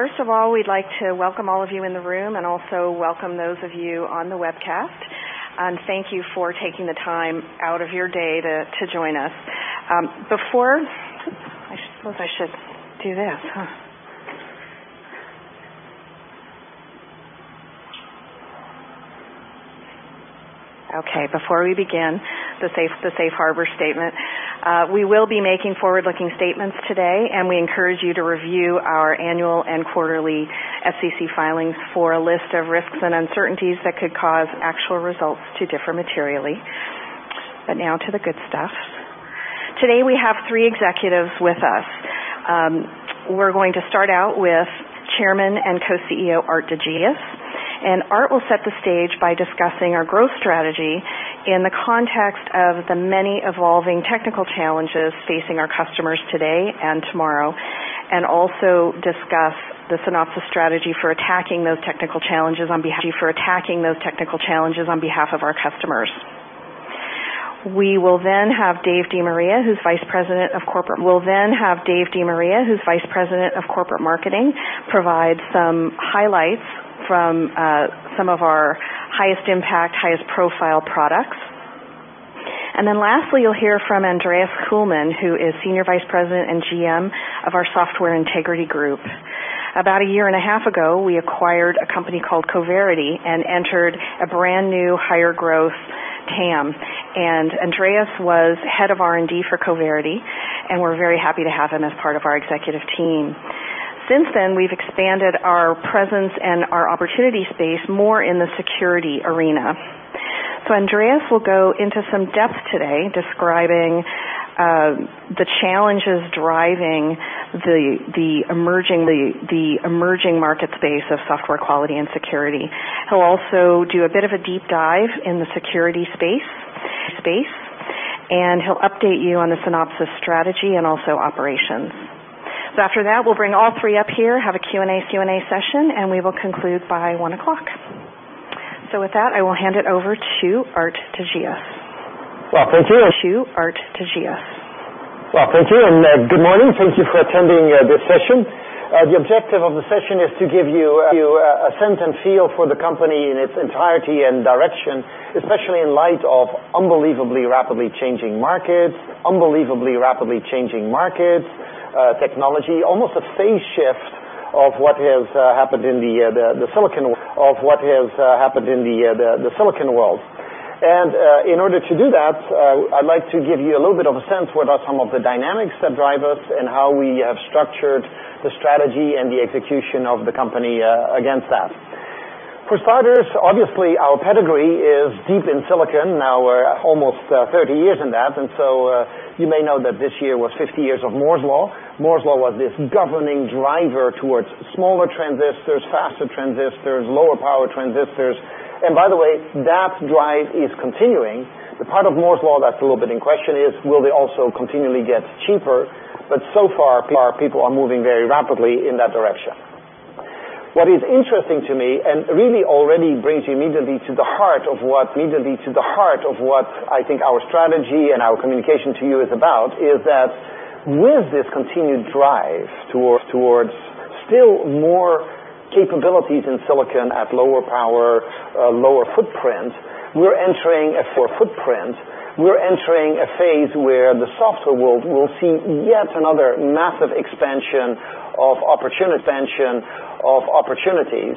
First of all, we'd like to welcome all of you in the room and also welcome those of you on the webcast, and thank you for taking the time out of your day to join us. I suppose I should do this. Okay. Before we begin, the safe harbor statement. We will be making forward-looking statements today, and we encourage you to review our annual and quarterly SEC filings for a list of risks and uncertainties that could cause actual results to differ materially. Now to the good stuff. Today, we have three executives with us. We're going to start out with Chairman and Co-CEO, Aart de Geus. Aart will set the stage by discussing our growth strategy in the context of the many evolving technical challenges facing our customers today and tomorrow. Also discuss the Synopsys strategy for attacking those technical challenges on behalf of our customers. We will then have Dave DeMaria, who's Vice President of Corporate Marketing, provide some highlights from some of our highest impact, highest profile products. Lastly, you'll hear from Andreas Kuehlmann, who is Senior Vice President and GM of our Software Integrity Group. About a year and a half ago, we acquired a company called Coverity and entered a brand-new higher growth TAM. Andreas was head of R&D for Coverity, and we're very happy to have him as part of our executive team. Since then, we've expanded our presence and our opportunity space more in the security arena. Andreas will go into some depth today describing the challenges driving the emerging market space of software quality and security. He'll also do a bit of a deep dive in the security space, and he'll update you on the Synopsys strategy and also operations. After that, we'll bring all three up here, have a Q&A session, and we will conclude by 1:00 P.M. With that, I will hand it over to Aart de Geus. Well, thank you. To Aart de Geus. Well, thank you, and good morning. Thank you for attending this session. The objective of the session is to give you a sense and feel for the company in its entirety and direction, especially in light of unbelievably rapidly changing markets, technology. Almost a phase shift of what has happened in the silicon world. In order to do that, I'd like to give you a little bit of a sense about some of the dynamics that drive us and how we have structured the strategy and the execution of the company against that. For starters, obviously, our pedigree is deep in silicon. Now we're almost 30 years in that. You may know that this year was 50 years of Moore's Law. Moore's Law was this governing driver towards smaller transistors, faster transistors, lower power transistors. By the way, that drive is continuing. The part of Moore's Law that's a little bit in question is, will they also continually get cheaper? So far, people are moving very rapidly in that direction. What is interesting to me, and really already brings you immediately to the heart of what I think our strategy and our communication to you is about, is that with this continued drive towards still more capabilities in silicon at lower power, lower footprint for footprint, we're entering a phase where the software world will see yet another massive expansion of opportunities.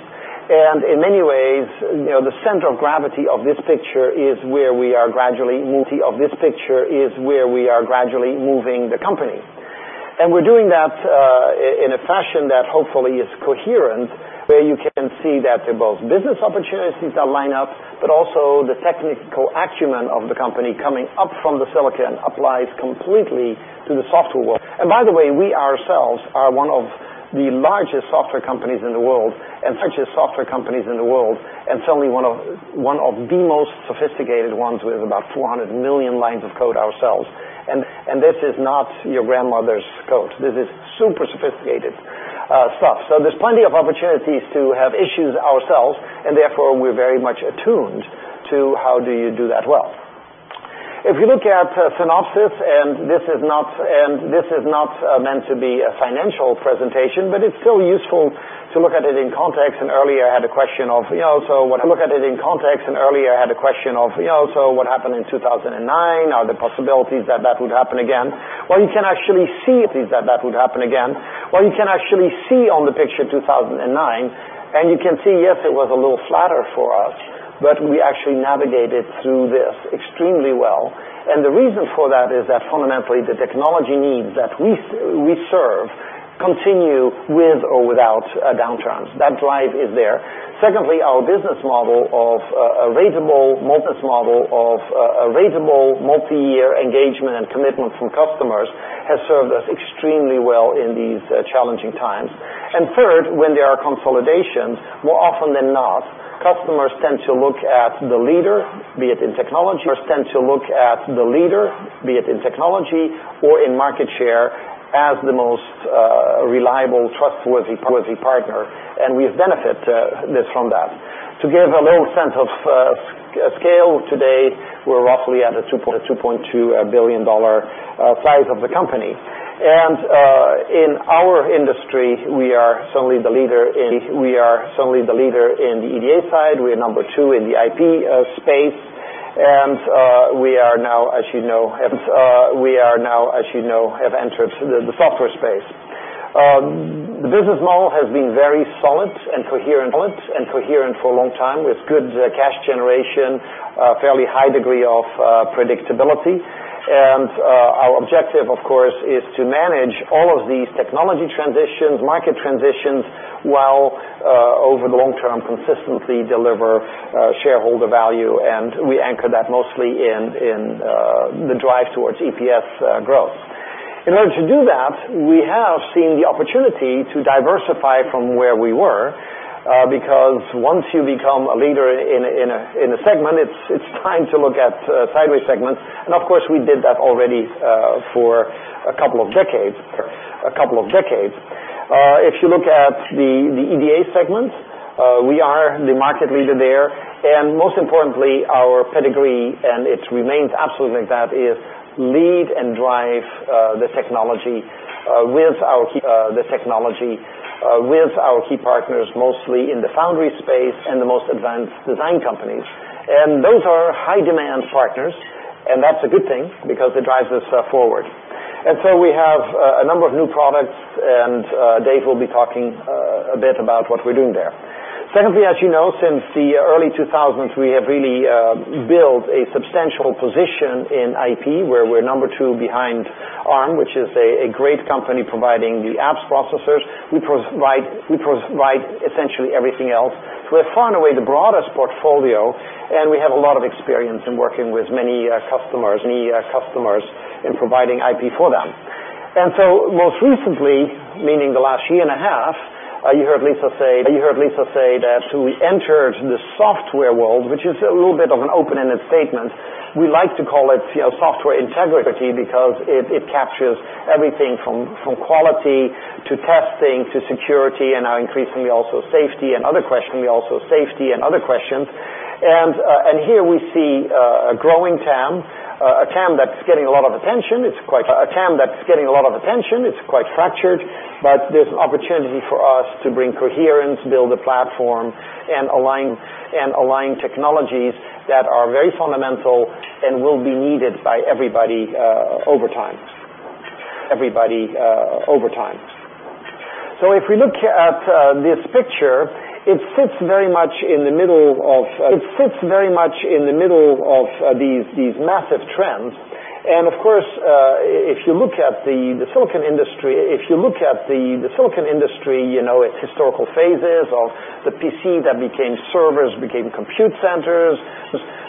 In many ways, the center of gravity of this picture is where we are gradually moving the company. We're doing that in a fashion that hopefully is coherent, where you can see that they're both business opportunities that line up, but also the technical acumen of the company coming up from the silicon applies completely to the software world. By the way, we ourselves are one of the largest software companies in the world and certainly one of the most sophisticated ones, with about 400 million lines of code ourselves. This is not your grandmother's code. This is super sophisticated stuff. There's plenty of opportunities to have issues ourselves, and therefore, we're very much attuned to how do you do that well. If you look at Synopsys, and this is not meant to be a financial presentation, but it's still useful to look at it in context. Earlier, I had a question of, what happened in 2009? Are there possibilities that would happen again? Well, you can actually see on the picture 2009, and you can see, yes, it was a little flatter for us, but we actually navigated through this extremely well. The reason for that is that fundamentally, the technology needs that we serve continue with or without downturns. That drive is there. Secondly, our business model of a reasonable multi-year engagement and commitment from customers has served us extremely well in these challenging times. Third, when there are consolidations, more often than not, customers tend to look at the leader, be it in technology or in market share, as the most reliable, trustworthy partner. We've benefited from that. To give a little sense of scale, today we're roughly at a $2.2 billion size of the company. In our industry, we are certainly the leader in the EDA side. We are number two in the IP space, we are now, as you know, have entered the software space. The business model has been very solid and coherent for a long time, with good cash generation, fairly high degree of predictability. Our objective, of course, is to manage all of these technology transitions, market transitions, while over the long term, consistently deliver shareholder value, and we anchor that mostly in the drive towards EPS growth. In order to do that, we have seen the opportunity to diversify from where we were, because once you become a leader in a segment, it's time to look at sideways segments. Of course, we did that already for a couple of decades. If you look at the EDA segment, we are the market leader there, most importantly, our pedigree, and it remains absolutely that, is lead and drive the technology with our key partners, mostly in the foundry space and the most advanced design companies. Those are high-demand partners, and that's a good thing because it drives us forward. We have a number of new products, and Dave will be talking a bit about what we're doing there. Secondly, as you know, since the early 2000s, we have really built a substantial position in IP where we're number two behind Arm, which is a great company providing the apps processors. We provide essentially everything else. We have far and away the broadest portfolio, and we have a lot of experience in working with many customers in providing IP for them. Most recently, meaning the last year and a half, you heard Lisa say that we entered the software world, which is a little bit of an open-ended statement. We like to call it Software Integrity because it captures everything from quality to testing to security and now increasingly also safety and other questions. Here we see a growing TAM, a TAM that's getting a lot of attention. It's quite fractured, but there's an opportunity for us to bring coherence, build a platform, and align technologies that are very fundamental and will be needed by everybody over time. If we look at this picture, it sits very much in the middle of these massive trends. Of course, if you look at the silicon industry, its historical phases of the PC that became servers, became compute centers,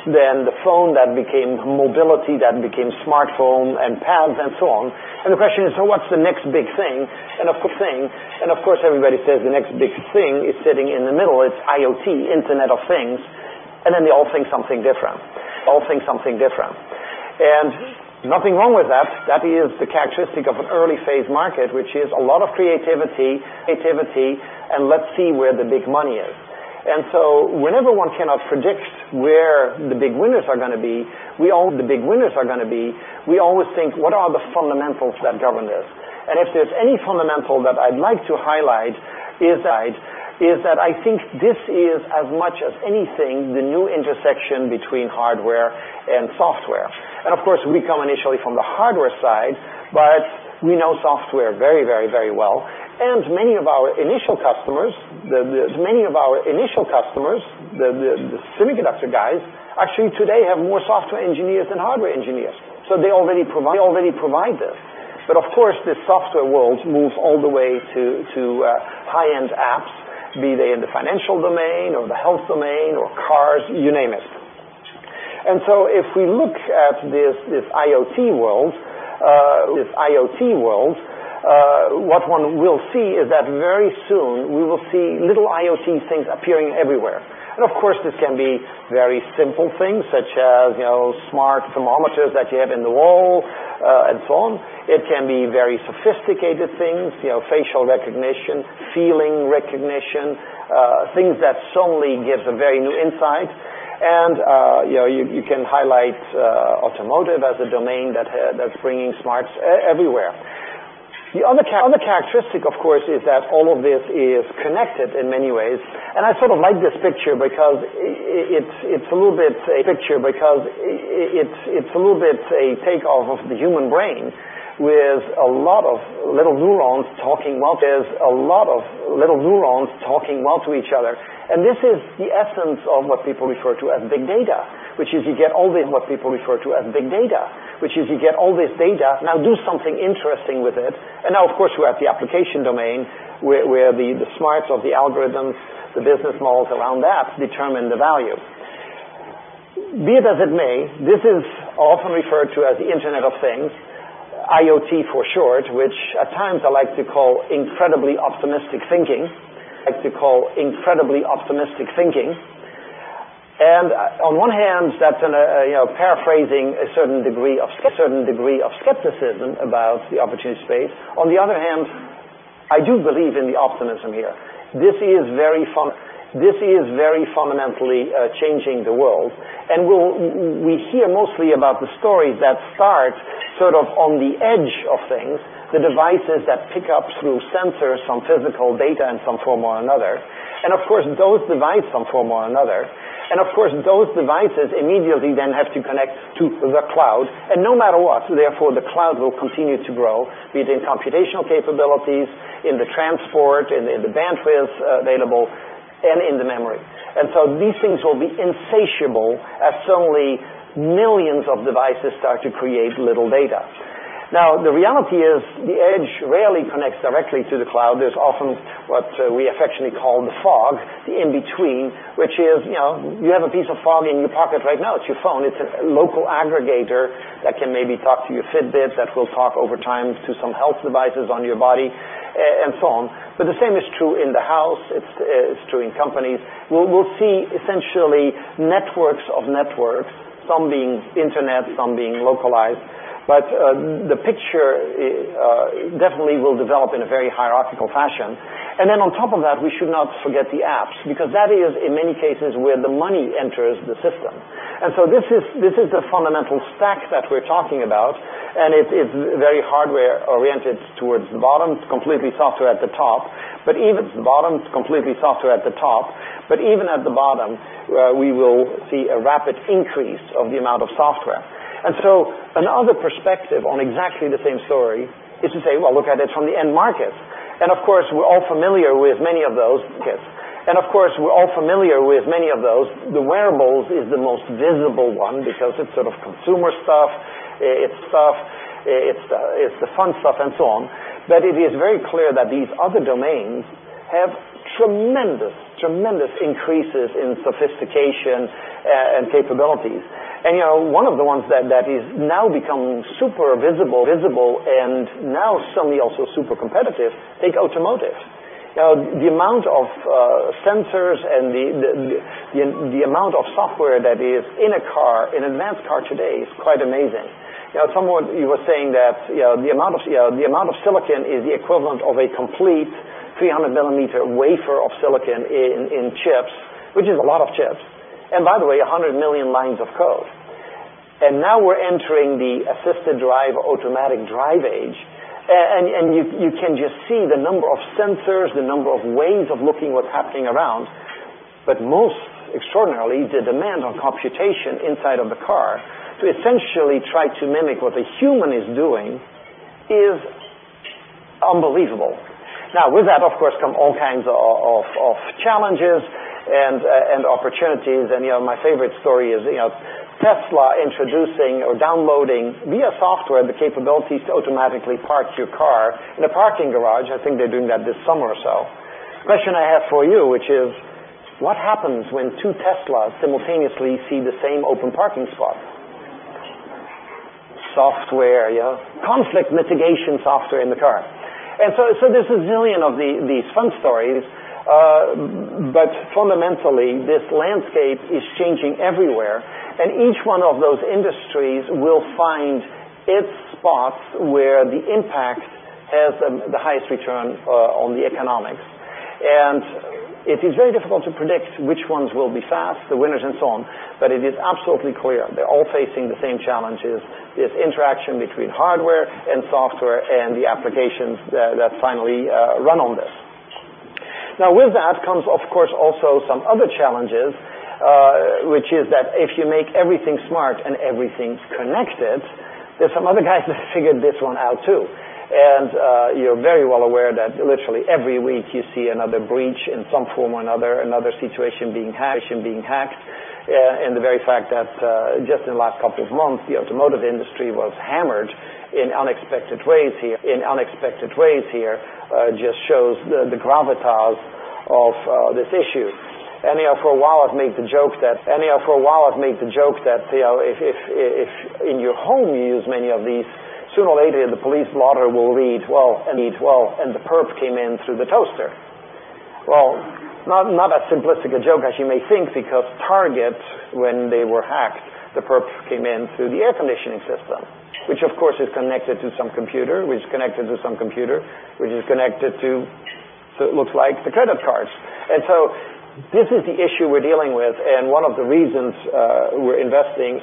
then the phone that became mobility, that became smartphone and pads and so on. The question is, so what's the next big thing? Of course, everybody says the next big thing is sitting in the middle. It's IoT, Internet of Things, then they all think something different. Nothing wrong with that. That is the characteristic of an early-phase market, which is a lot of creativity, let's see where the big money is. Whenever one cannot predict where the big winners are going to be, we always think, what are the fundamentals that govern this? If there's any fundamental that I'd like to highlight is that I think this is as much as anything the new intersection between hardware and software. Of course, we come initially from the hardware side, but we know software very well, many of our initial customers, the semiconductor guys, actually today have more software engineers than hardware engineers. They already provide this. Of course, the software world moves all the way to high-end apps, be they in the financial domain or the health domain or cars, you name it. If we look at this IoT world what one will see is that very soon we will see little IoT things appearing everywhere. Of course, this can be very simple things such as smart thermometers that you have in the wall and so on. It can be very sophisticated things, facial recognition, feeling recognition, things that suddenly gives a very new insight. You can highlight automotive as a domain that's bringing smarts everywhere. The other characteristic, of course, is that all of this is connected in many ways, I sort of like this picture because it's a little bit a take off of the human brain with a lot of little neurons talking well to each other. This is the essence of what people refer to as big data, which is you get all this data. Now do something interesting with it. Now, of course, you have the application domain where the smarts of the algorithms, the business models around that determine the value. Be that as it may, this is often referred to as the Internet of Things, IoT for short, which at times I like to call incredibly optimistic thinking. On one hand, that's paraphrasing a certain degree of skepticism about the opportunity space. On the other hand, I do believe in the optimism here. This is very fundamentally changing the world, we hear mostly about the stories that start sort of on the edge of things, the devices that pick up through sensors, some physical data in some form or another. Of course, those devices immediately then have to connect to the cloud, no matter what, therefore the cloud will continue to grow, be it in computational capabilities, in the transport, in the bandwidth available, in the memory. These things will be insatiable as suddenly millions of devices start to create little data. The reality is the edge rarely connects directly to the cloud. There's often what we affectionately call the fog, the in-between, which is, you have a piece of fog in your pocket right now. It's your phone. It's a local aggregator that can maybe talk to your Fitbit, that will talk over time to some health devices on your body and so on. The same is true in the house, it's true in companies. We'll see essentially networks of networks, some being internet, some being localized. The picture definitely will develop in a very hierarchical fashion. On top of that, we should not forget the apps, because that is, in many cases, where the money enters the system. This is the fundamental stack that we're talking about, and it's very hardware-oriented towards the bottom. It's completely software at the top. Even at the bottom, we will see a rapid increase of the amount of software. Another perspective on exactly the same story is to say, well, look at it from the end market. Of course, we're all familiar with many of those. The wearables is the most visible one because it's sort of consumer stuff, it's the fun stuff and so on. It is very clear that these other domains have tremendous increases in sophistication and capabilities. One of the ones that has now become super visible and now suddenly also super competitive, take automotive. The amount of sensors and the amount of software that is in an advanced car today is quite amazing. Someone was saying that the amount of silicon is the equivalent of a complete 300 mm wafer of silicon in chips, which is a lot of chips. By the way, 100 million lines of code. Now we're entering the assisted drive, automatic drive age, and you can just see the number of sensors, the number of ways of looking what's happening around, but most extraordinarily, the demand on computation inside of the car to essentially try to mimic what a human is doing is unbelievable. With that, of course, come all kinds of challenges and opportunities, and my favorite story is Tesla introducing or downloading via software the capabilities to automatically park your car in a parking garage. I think they're doing that this summer or so. Question I have for you, which is, what happens when two Teslas simultaneously see the same open parking spot? Software, yeah. Conflict mitigation software in the car. There's a zillion of these fun stories, but fundamentally, this landscape is changing everywhere, and each one of those industries will find its spot where the impact has the highest return on the economics. It is very difficult to predict which ones will be fast, the winners, and so on, but it is absolutely clear they're all facing the same challenges, this interaction between hardware and software and the applications that finally run on this. With that comes, of course, also some other challenges, which is that if you make everything smart and everything's connected, there's some other guys that figured this one out, too. You're very well aware that literally every week you see another breach in some form or another situation being hacked. The very fact that just in the last couple of months, the automotive industry was hammered in unexpected ways here just shows the gravitas of this issue. For a while, I've made the joke that if in your home you use many of these, sooner or later, the police blotter will read, well, the perp came in through the toaster. Not that simplistic a joke as you may think, because Target, when they were hacked, the perp came in through the air conditioning system, which of course is connected to some computer, which is connected to, so it looks like the credit cards. This is the issue we're dealing with, and one of the reasons we're investing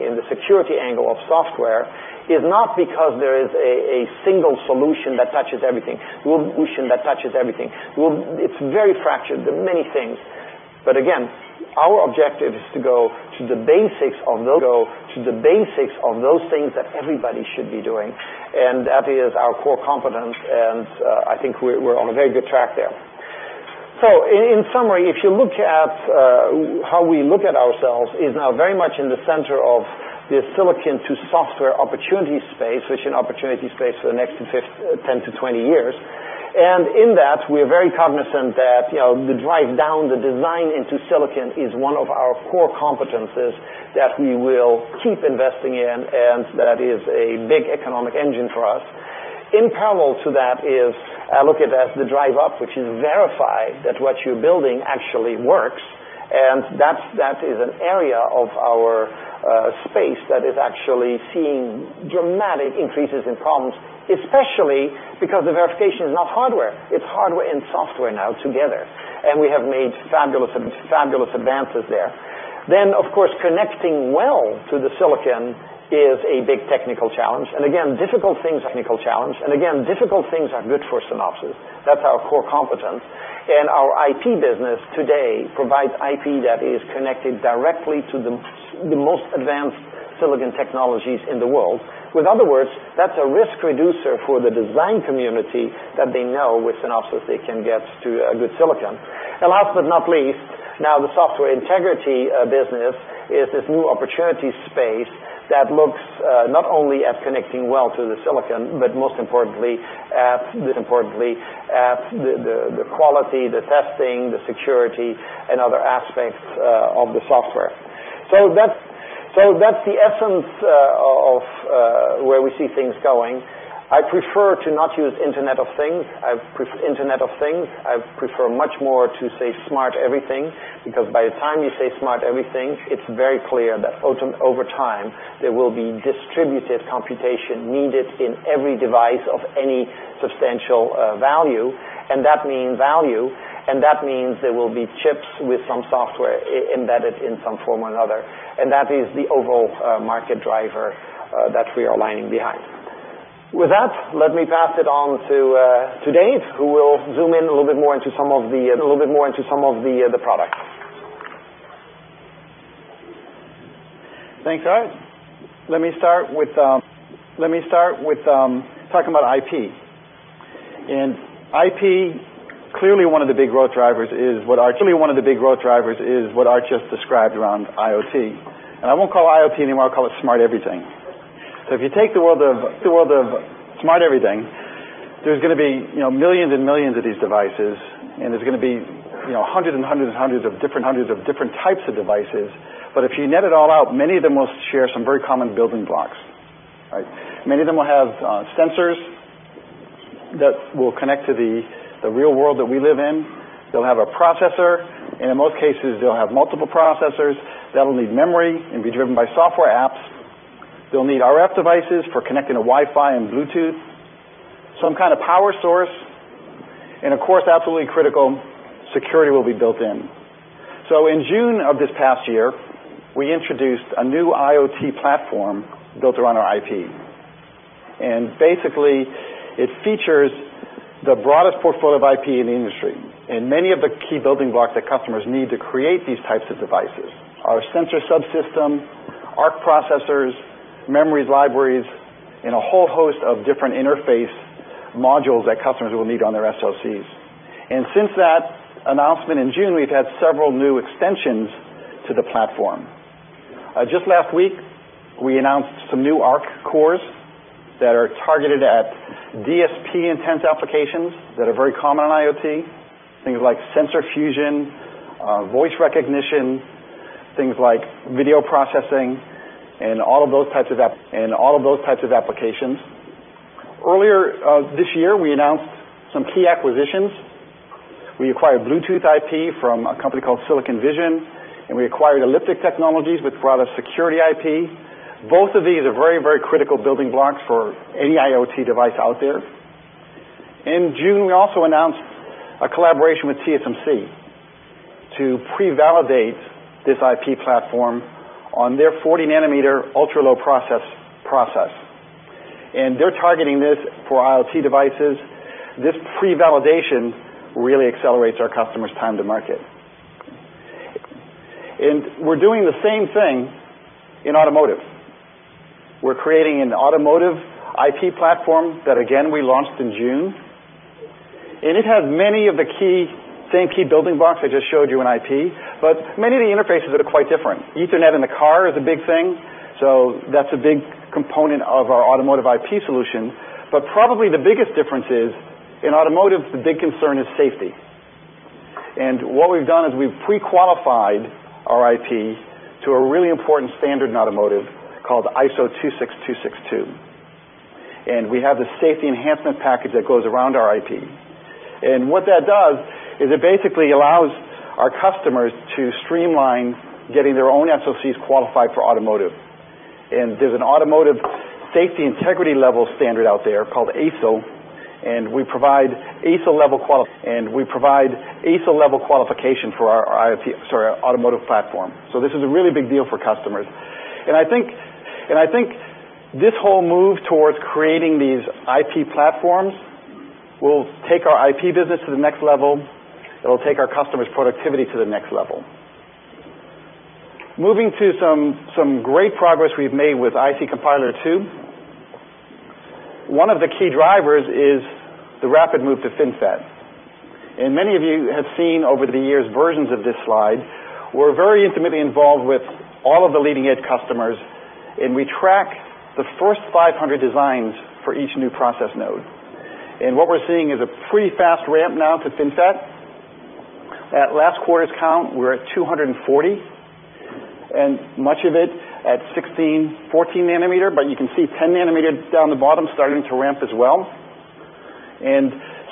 in the security angle of software is not because there is a single solution that touches everything. It's very fractured. There are many things. Again, our objective is to go to the basics of those things that everybody should be doing, and that is our core competence, and I think we're on a very good track there. In summary, if you look at how we look at ourselves is now very much in the center of the silicon to software opportunity space, which is an opportunity space for the next 10-20 years. In that, we're very cognizant that the drive down the design into silicon is one of our core competencies that we will keep investing in, and that is a big economic engine for us. In parallel to that is, I look at as the drive up, which is verify that what you're building actually works. That is an area of our space that is actually seeing dramatic increases in problems, especially because the verification is not hardware. It's hardware and software now together. We have made fabulous advances there. Of course, connecting well to the silicon is a big technical challenge. Again, difficult things are good for Synopsys. That's our core competence. Our IP business today provides IP that is connected directly to the most advanced silicon technologies in the world. With other words, that's a risk reducer for the design community that they know with Synopsys they can get to a good silicon. Last but not least, now the Software Integrity business is this new opportunity space that looks not only at connecting well to the silicon, but most importantly, at the quality, the testing, the security, and other aspects of the software. That's the essence of where we see things going. I prefer to not use Internet of Things. I prefer much more to say smart everything, because by the time you say smart everything, it's very clear that over time, there will be distributed computation needed in every device of any substantial value. That means there will be chips with some software embedded in some form or another. That is the overall market driver that we are aligning behind. With that, let me pass it on to Dave, who will zoom in a little bit more into some of the products. Thanks, guys. Let me start with talking about IP. IP, clearly one of the big growth drivers is what Aart just described around IoT. I won't call it IoT anymore, I'll call it smart everything. If you take the world of smart everything, there's going to be millions and millions of these devices, and there's going to be hundreds and hundreds of different types of devices. If you net it all out, many of them will share some very common building blocks. Right? Many of them will have sensors that will connect to the real world that we live in. They'll have a processor, and in most cases, they'll have multiple processors. They'll need memory and be driven by software apps. They'll need RF devices for connecting to Wi-Fi and Bluetooth, some kind of power source, and of course, absolutely critical, security will be built in. In June of this past year, we introduced a new IoT platform built around our IP. Basically, it features the broadest portfolio of IP in the industry and many of the key building blocks that customers need to create these types of devices. Our sensor subsystem, ARC processors, memory libraries, and a whole host of different interface modules that customers will need on their SoCs. Since that announcement in June, we've had several new extensions to the platform. Just last week, we announced some new ARC cores that are targeted at DSP-intensive applications that are very common on IoT, things like sensor fusion, voice recognition, things like video processing, and all of those types of applications. Earlier this year, we announced some key acquisitions. We acquired Bluetooth IP from a company called Silicon Vision, and we acquired Elliptic Technologies, which provide a security IP. Both of these are very, very critical building blocks for any IoT device out there. In June, we also announced a collaboration with TSMC to pre-validate this IP platform on their 40 nm ultra-low process. They're targeting this for IoT devices. This pre-validation really accelerates our customers' time to market. We're doing the same thing in automotive. We're creating an automotive IP platform that, again, we launched in June. It has many of the same key building blocks I just showed you in IP, but many of the interfaces that are quite different. Ethernet in the car is a big thing, so that's a big component of our automotive IP solution. Probably the biggest difference is in automotive, the big concern is safety. What we've done is we've pre-qualified our IP to a really important standard in automotive called ISO 26262. We have the safety enhancement package that goes around our IP. What that does is it basically allows our customers to streamline getting their own SoCs qualified for automotive. There's an automotive safety integrity level standard out there called ASIL, and we provide ASIL-level qualification for our automotive platform. This is a really big deal for customers. I think this whole move towards creating these IP platforms will take our IP business to the next level. It'll take our customers' productivity to the next level. Moving to some great progress we've made with IC Compiler II. One of the key drivers is the rapid move to FinFET. Many of you have seen over the years versions of this slide. We're very intimately involved with all of the leading-edge customers, and we track the first 500 designs for each new process node. What we're seeing is a pretty fast ramp now to FinFET. At last quarter's count, we were at 240, much of it at 16, 14 nm, but you can see 10 nm down the bottom starting to ramp as well.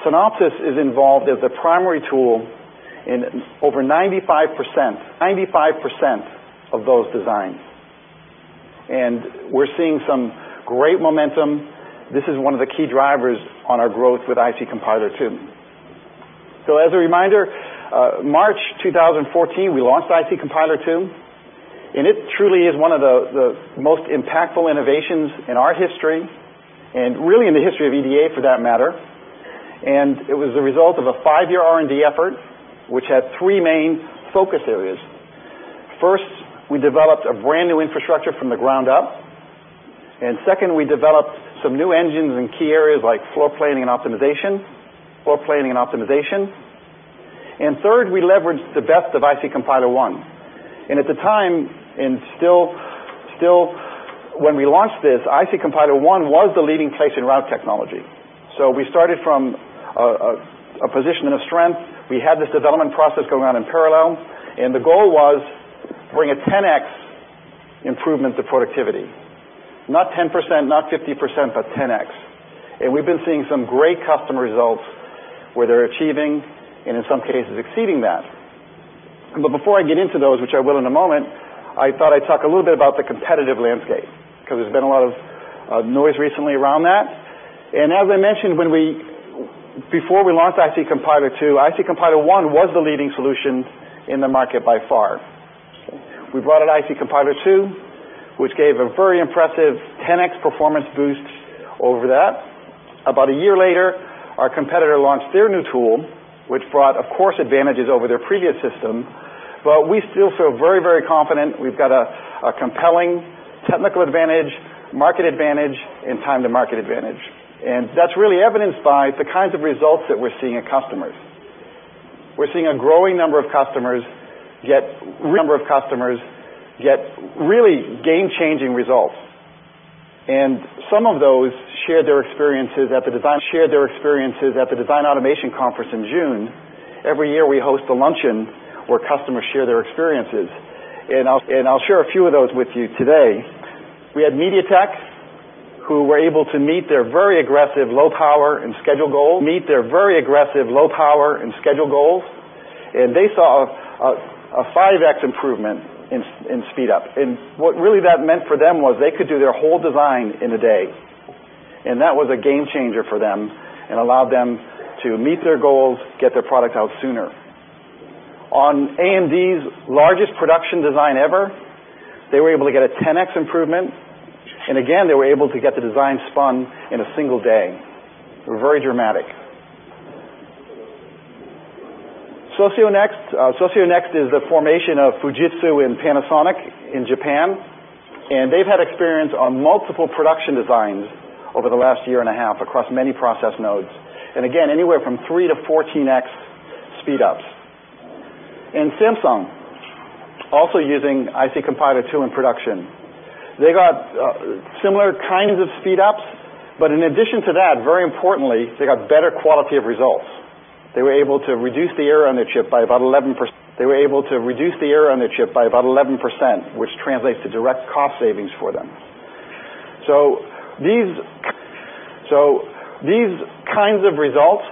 Synopsys is involved as the primary tool in over 95%, 95% of those designs. We're seeing some great momentum. This is one of the key drivers on our growth with IC Compiler II. As a reminder, March 2014, we launched IC Compiler II, it truly is one of the most impactful innovations in our history, and really in the history of EDA, for that matter. It was the result of a five-year R&D effort, which had three main focus areas. First, we developed a brand-new infrastructure from the ground up, second, we developed some new engines in key areas like floor planning and optimization. Third, we leveraged the best of IC Compiler 1. At the time, and still when we launched this, IC Compiler 1 was the leading place-and-route technology. We started from a position of strength. We had this development process going on in parallel, the goal was bring a 10x improvement to productivity. Not 10%, not 50%, but 10x. We've been seeing some great customer results where they're achieving and in some cases exceeding that. Before I get into those, which I will in a moment, I thought I'd talk a little bit about the competitive landscape, because there's been a lot of noise recently around that. As I mentioned, before we launched IC Compiler II, IC Compiler 1 was the leading solution in the market by far. We brought out IC Compiler II, which gave a very impressive 10x performance boost over that. About a year later, our competitor launched their new tool, which brought, of course, advantages over their previous system, we still feel very confident we've got a compelling technical advantage, market advantage, and time-to-market advantage. That's really evidenced by the kinds of results that we're seeing in customers. We're seeing a growing number of customers, yet really game-changing results. Some of those shared their experiences at the Design Automation Conference in June. Every year, we host a luncheon where customers share their experiences, I'll share a few of those with you today. We had MediaTek, who were able to meet their very aggressive low-power and schedule goals. They saw a 5x improvement in speed up. What really that meant for them was they could do their whole design in a day, that was a game-changer for them and allowed them to meet their goals, get their product out sooner. On AMD's largest production design ever, they were able to get a 10x improvement, again, they were able to get the design spun in a single day. Very dramatic. Socionext is a formation of Fujitsu and Panasonic in Japan, they've had experience on multiple production designs over the last year and a half across many process nodes. Again, anywhere from 3 to 14x speedups. Samsung, also using IC Compiler II in production. They got similar kinds of speedups, in addition to that, very importantly, they got better quality of results. They were able to reduce the error on their chip by about 11%, which translates to direct cost savings for them. These kinds of results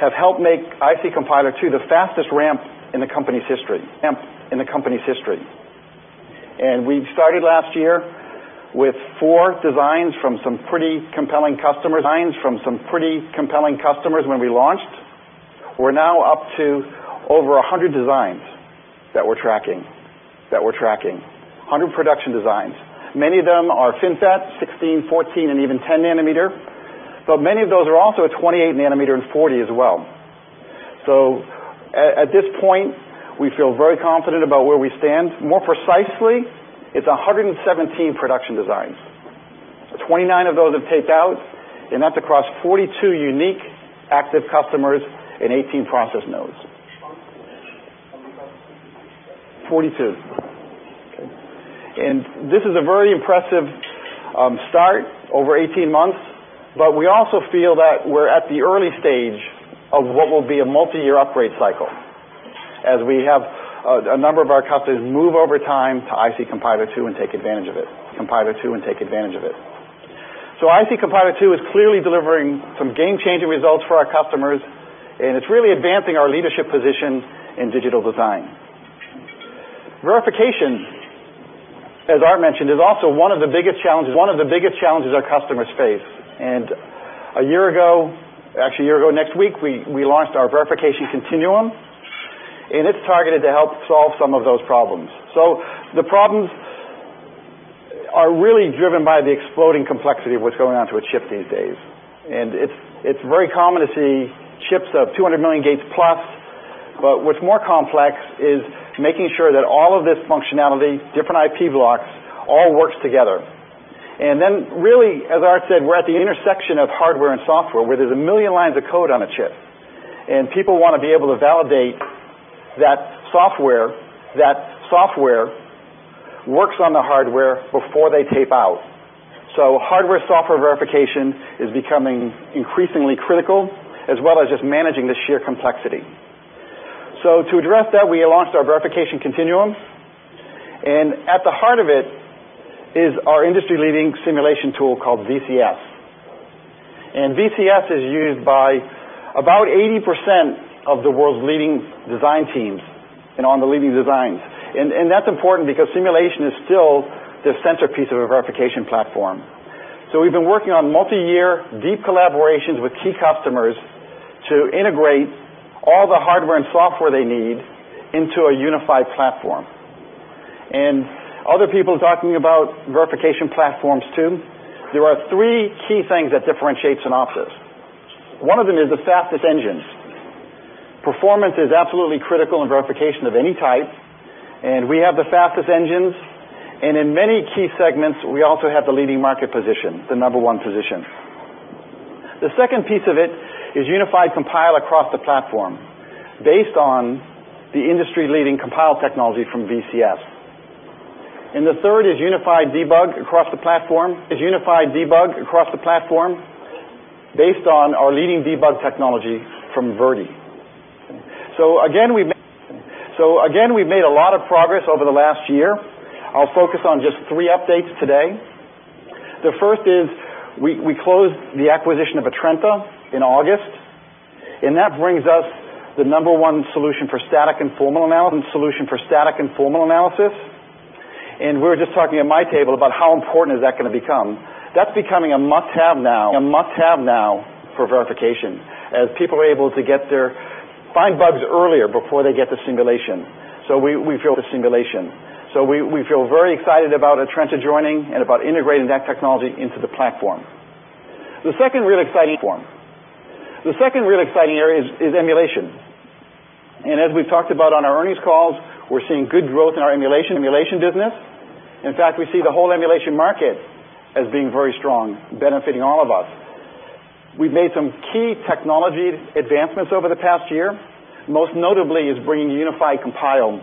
have helped make IC Compiler II the fastest ramp in the company's history. We've started last year with four designs from some pretty compelling customers when we launched. We're now up to over 100 designs that we're tracking. 100 production designs. Many of them are FinFET, 16, 14, and even 10 nm, but many of those are also at 28 nm and 40 as well. At this point, we feel very confident about where we stand. More precisely, it's 117 production designs. 29 of those have taped out, and that's across 42 unique active customers and 18 process nodes. How many customers is that? 42. Okay. This is a very impressive start over 18 months, but we also feel that we're at the early stage of what will be a multi-year upgrade cycle, as we have a number of our customers move over time to IC Compiler II and take advantage of it. IC Compiler II is clearly delivering some game-changing results for our customers, and it's really advancing our leadership position in digital design. Verification, as Aart mentioned, is also one of the biggest challenges our customers face. A year ago, actually a year ago next week, we launched our Verification Continuum, and it's targeted to help solve some of those problems. The problems are really driven by the exploding complexity of what's going on to a chip these days. It's very common to see chips of 200 million gates plus, but what's more complex is making sure that all of this functionality, different IP blocks, all works together. Really, as Aart said, we're at the intersection of hardware and software, where there's a million lines of code on a chip, and people want to be able to validate that software works on the hardware before they tape out. Hardware-software verification is becoming increasingly critical, as well as just managing the sheer complexity. To address that, we launched our Verification Continuum, and at the heart of it is our industry-leading simulation tool called VCS. VCS is used by about 80% of the world's leading design teams and on the leading designs. That's important because simulation is still the centerpiece of a verification platform. We've been working on multi-year deep collaborations with key customers to integrate all the hardware and software they need into a unified platform. Other people are talking about verification platforms, too. There are three key things that differentiate Synopsys. One of them is the fastest engines. Performance is absolutely critical in verification of any type, and we have the fastest engines. In many key segments, we also have the leading market position, the number one position. The second piece of it is unified compile across the platform based on the industry-leading compile technology from VCS. The third is unified debug across the platform based on our leading debug technology from Verdi. Again, we've made a lot of progress over the last year. I'll focus on just three updates today. The first is we closed the acquisition of Atrenta in August, and that brings us the number one solution for static and formal analysis. We were just talking at my table about how important is that going to become. That's becoming a must-have now for verification, as people are able to find bugs earlier before they get to simulation. We feel very excited about Atrenta joining and about integrating that technology into the platform. The second really exciting area is emulation. As we've talked about on our earnings calls, we're seeing good growth in our emulation business. In fact, we see the whole emulation market as being very strong, benefiting all of us. We've made some key technology advancements over the past year. Most notably is bringing unified compile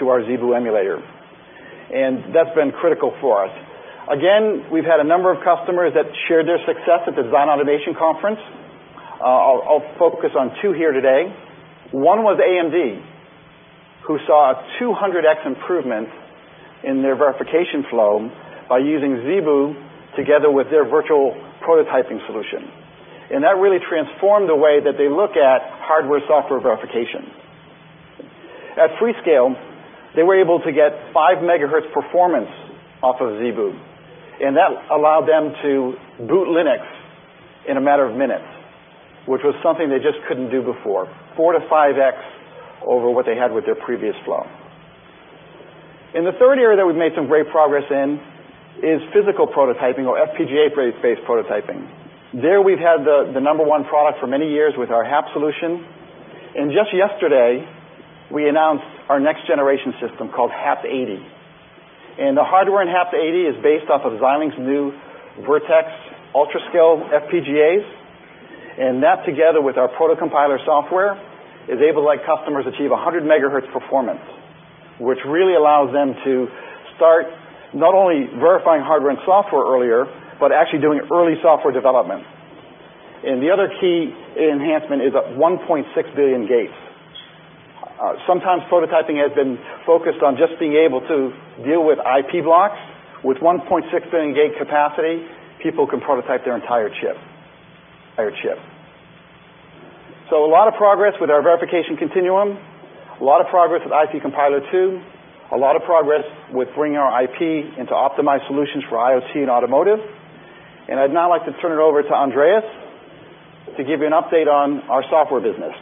to our ZeBu emulator, and that's been critical for us. Again, we've had a number of customers that shared their success at Design Automation Conference. I'll focus on two here today. One was AMD, who saw a 200x improvement in their verification flow by using ZeBu together with their virtual prototyping solution. That really transformed the way that they look at hardware-software verification. At Freescale, they were able to get 5 MHz performance off of ZeBu, and that allowed them to boot Linux in a matter of minutes, which was something they just couldn't do before, 4-5x over what they had with their previous flow. The third area that we've made some great progress in is physical prototyping or FPGA-based prototyping. There, we've had the number one product for many years with our HAPS solution. Just yesterday, we announced our next-generation system called HAPS-80. The hardware in HAPS-80 is based off of Xilinx's new Virtex UltraScale FPGAs, that together with our ProtoCompiler software, is able to let customers achieve 100 MHz performance, which really allows them to start not only verifying hardware and software earlier, but actually doing early software development. The other key enhancement is at 1.6 billion gates. Sometimes prototyping has been focused on just being able to deal with IP blocks. With 1.6 billion gate capacity, people can prototype their entire chip. A lot of progress with our Verification Continuum, a lot of progress with IC Compiler II, a lot of progress with bringing our IP into optimized solutions for IoT and automotive. I'd now like to turn it over to Andreas to give you an update on our software business.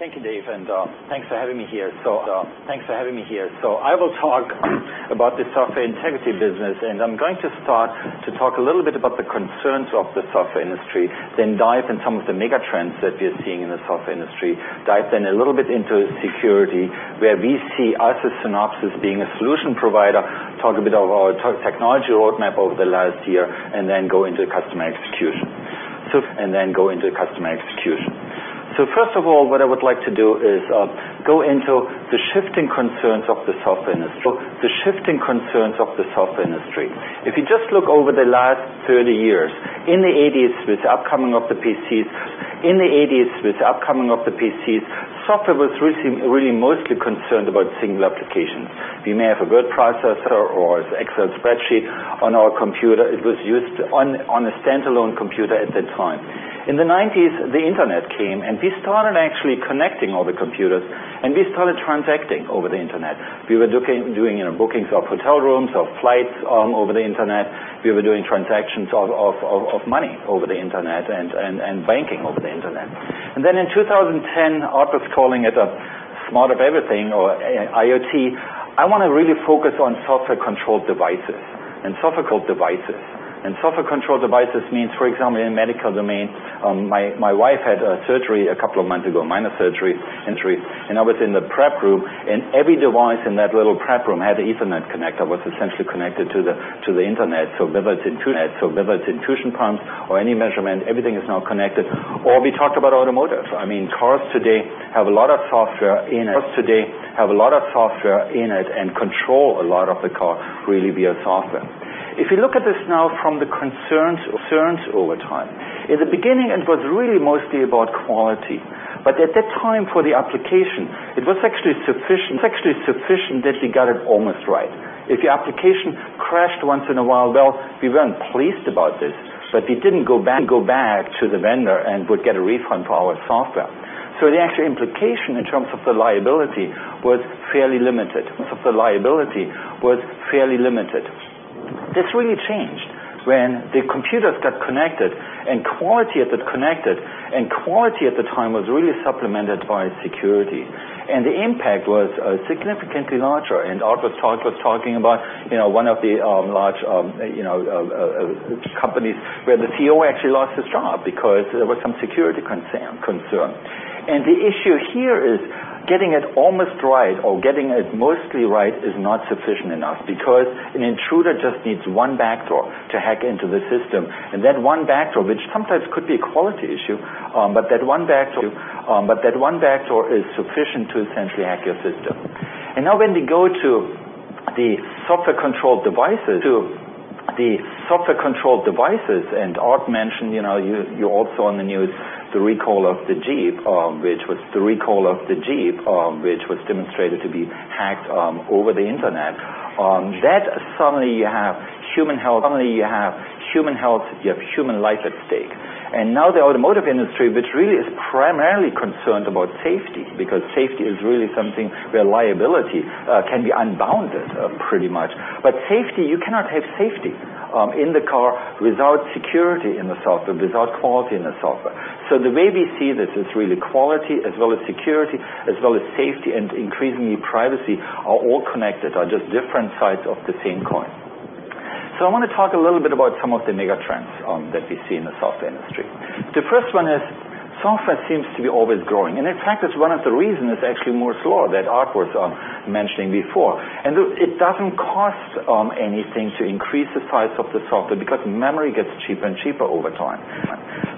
Thank you, Dave, and thanks for having me here. I will talk about the Software Integrity business. I'm going to start to talk a little bit about the concerns of the software industry, then dive in some of the mega trends that we are seeing in the software industry, dive in a little bit into security, where we see us as Synopsys being a solution provider, talk a bit of our technology roadmap over the last year, and then go into customer execution. First of all, what I would like to do is go into the shifting concerns of the software industry. If you just look over the last 30 years, in the 1980s, with the upcoming of the PCs, software was really mostly concerned about single applications. We may have a Word processor or Excel spreadsheet on our computer. It was used on a standalone computer at that time. In the 1990s, the internet came, and we started actually connecting all the computers, and we started transacting over the internet. We were doing bookings of hotel rooms, of flights over the internet. We were doing transactions of money over the internet and banking over the internet. In 2010, others calling it a smart of everything or IoT. I want to really focus on software-controlled devices. Software-controlled devices means, for example, in medical domain, my wife had a surgery a couple of months ago, minor surgery, and I was in the prep room, and every device in that little prep room had an Ethernet connector, was essentially connected to the internet. Whether it's infusion pumps or any measurement, everything is now connected. We talked about automotive. Cars today have a lot of software in it and control a lot of the car really via software. If you look at this now from the concerns over time, in the beginning, it was really mostly about quality, but at that time for the application, it was actually sufficient that we got it almost right. If the application crashed once in a while, well, we weren't pleased about this, but we didn't go back to the vendor and would get a refund for our software. The actual implication in terms of the liability was fairly limited. This really changed when the computers got connected, and quality at the time was really supplemented by security, and the impact was significantly larger. Aart was talking about one of the large companies where the CEO actually lost his job because there was some security concern. The issue here is getting it almost right or getting it mostly right is not sufficient enough because an intruder just needs one backdoor to hack into the system, and that one backdoor, which sometimes could be a quality issue, but that one backdoor is sufficient to essentially hack your system. Now when we go to the software-controlled devices, Aart mentioned, you also on the news, the recall of the Jeep, which was demonstrated to be hacked over the internet. That suddenly you have human health, you have human life at stake. Now the automotive industry, which really is primarily concerned about safety, because safety is really something where liability can be unbounded, pretty much. Safety, you cannot have safety in the car without security in the software, without quality in the software. The way we see this is really quality as well as security, as well as safety, and increasingly privacy are all connected, are just different sides of the same coin. I want to talk a little bit about some of the mega trends that we see in the software industry. The first one is software seems to be always growing, and in fact, that's one of the reasons it's actually more slower that Aart was mentioning before. Look, it doesn't cost anything to increase the size of the software because memory gets cheaper and cheaper over time.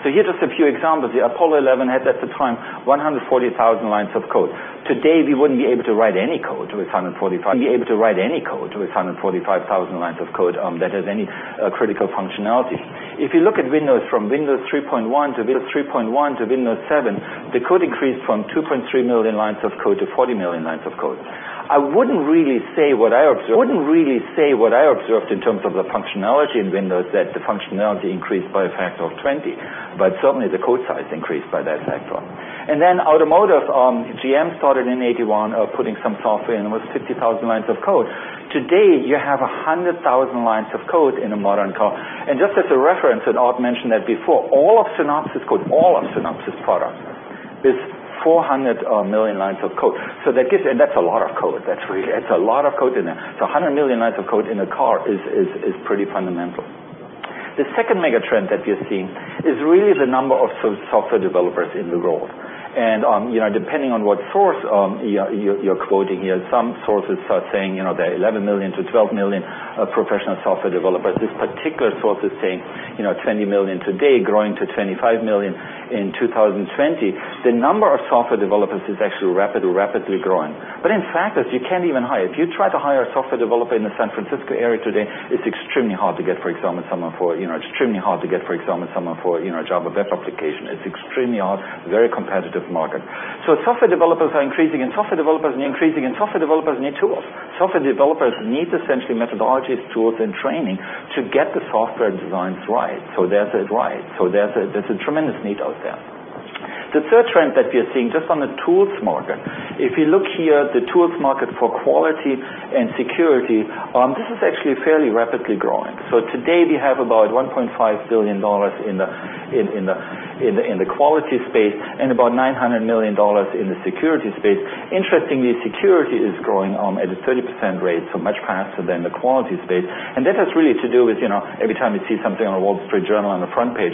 Here are just a few examples. The Apollo 11 had, at the time, 140,000 lines of code. Today, we wouldn't be able to write any code with 145,000 lines of code that has any critical functionality. If you look at Windows, from Windows 3.1 to Windows 7, the code increased from 2.3 million lines of code to 40 million lines of code. I wouldn't really say what I observed in terms of the functionality in Windows that the functionality increased by a factor of 20, but certainly the code size increased by that factor. Automotive, GM started in 1981, putting some software in with 50,000 lines of code. Today, you have 100 million lines of code. Just as a reference, and Aart mentioned that before, all of Synopsys code, all of Synopsys products is 400 million lines of code. That's a lot of code. That's really, it's a lot of code in there. 100 million lines of code in a car is pretty fundamental. The second mega trend that we are seeing is really the number of software developers in the world. Depending on what source you're quoting here, some sources are saying there are 11 million-12 million professional software developers. This particular source is saying 20 million today growing to 25 million in 2020. The number of software developers is actually rapidly growing. In fact, you can't even hire. If you try to hire a software developer in the San Francisco area today, it's extremely hard to get, for example, someone for a Java web application. It's extremely hard, very competitive market. Software developers are increasing, and software developers need tools. Software developers need essentially methodologies, tools, and training to get the software designs right. There's a tremendous need out there. The third trend that we are seeing, just on the tools market, if you look here, the tools market for quality and security, this is actually fairly rapidly growing. Today we have about $1.5 billion in the quality space and about $900 million in the security space. Interestingly, security is growing at a 30% rate, much faster than the quality space. That has really to do with every time you see something on The Wall Street Journal on the front page,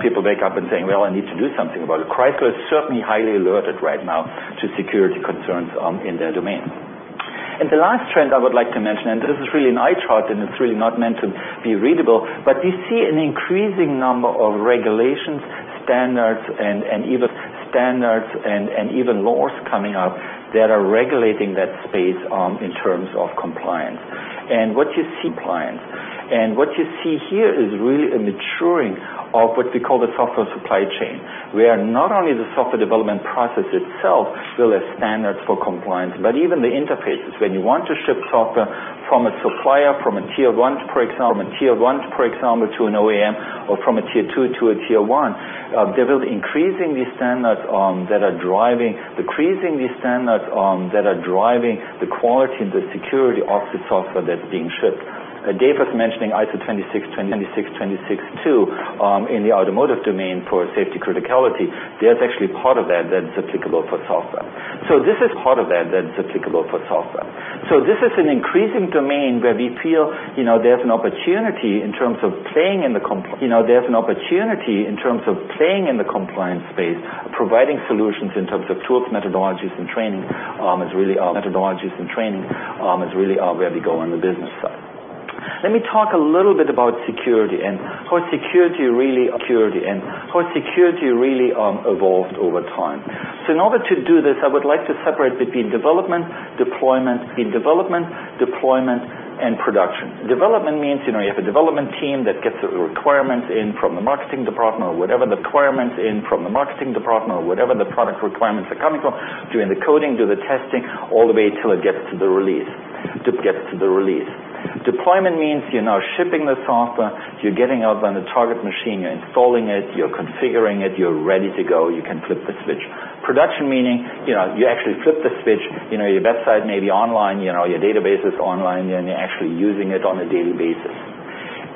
people wake up and saying, "Well, I need to do something about it." Chrysler is certainly highly alerted right now to security concerns in their domain. The last trend I would like to mention, this is really an eye chart, it's really not meant to be readable, we see an increasing number of regulations, standards, even laws coming up that are regulating that space in terms of compliance. What you see here is really a maturing of what we call the software supply chain, where not only the software development process itself still has standards for compliance, but even the interfaces. When you want to ship software from a supplier, from a tier 1, for example, to an OEM or from a tier 2 to a tier 1, there will increasingly standards that are driving the quality and the security of the software that's being shipped. Dave was mentioning ISO 26262 in the automotive domain for safety criticality. There's actually part of that that's applicable for software. This is part of that that's applicable for software. This is an increasing domain where we feel there's an opportunity in terms of playing in the compliance space, providing solutions in terms of tools, methodologies, and training, is really our way to go on the business side. Let me talk a little bit about security and how security really evolved over time. In order to do this, I would like to separate between development, deployment, and production. Development means you have a development team that gets the requirements in from the marketing department or wherever the product requirements are coming from, doing the coding, do the testing, all the way till it gets to the release. Deployment means you're now shipping the software, you're getting it out on the target machine, you're installing it, you're configuring it, you're ready to go, you can flip the switch. Production meaning you actually flip the switch, your website may be online, your database is online, and you're actually using it on a daily basis.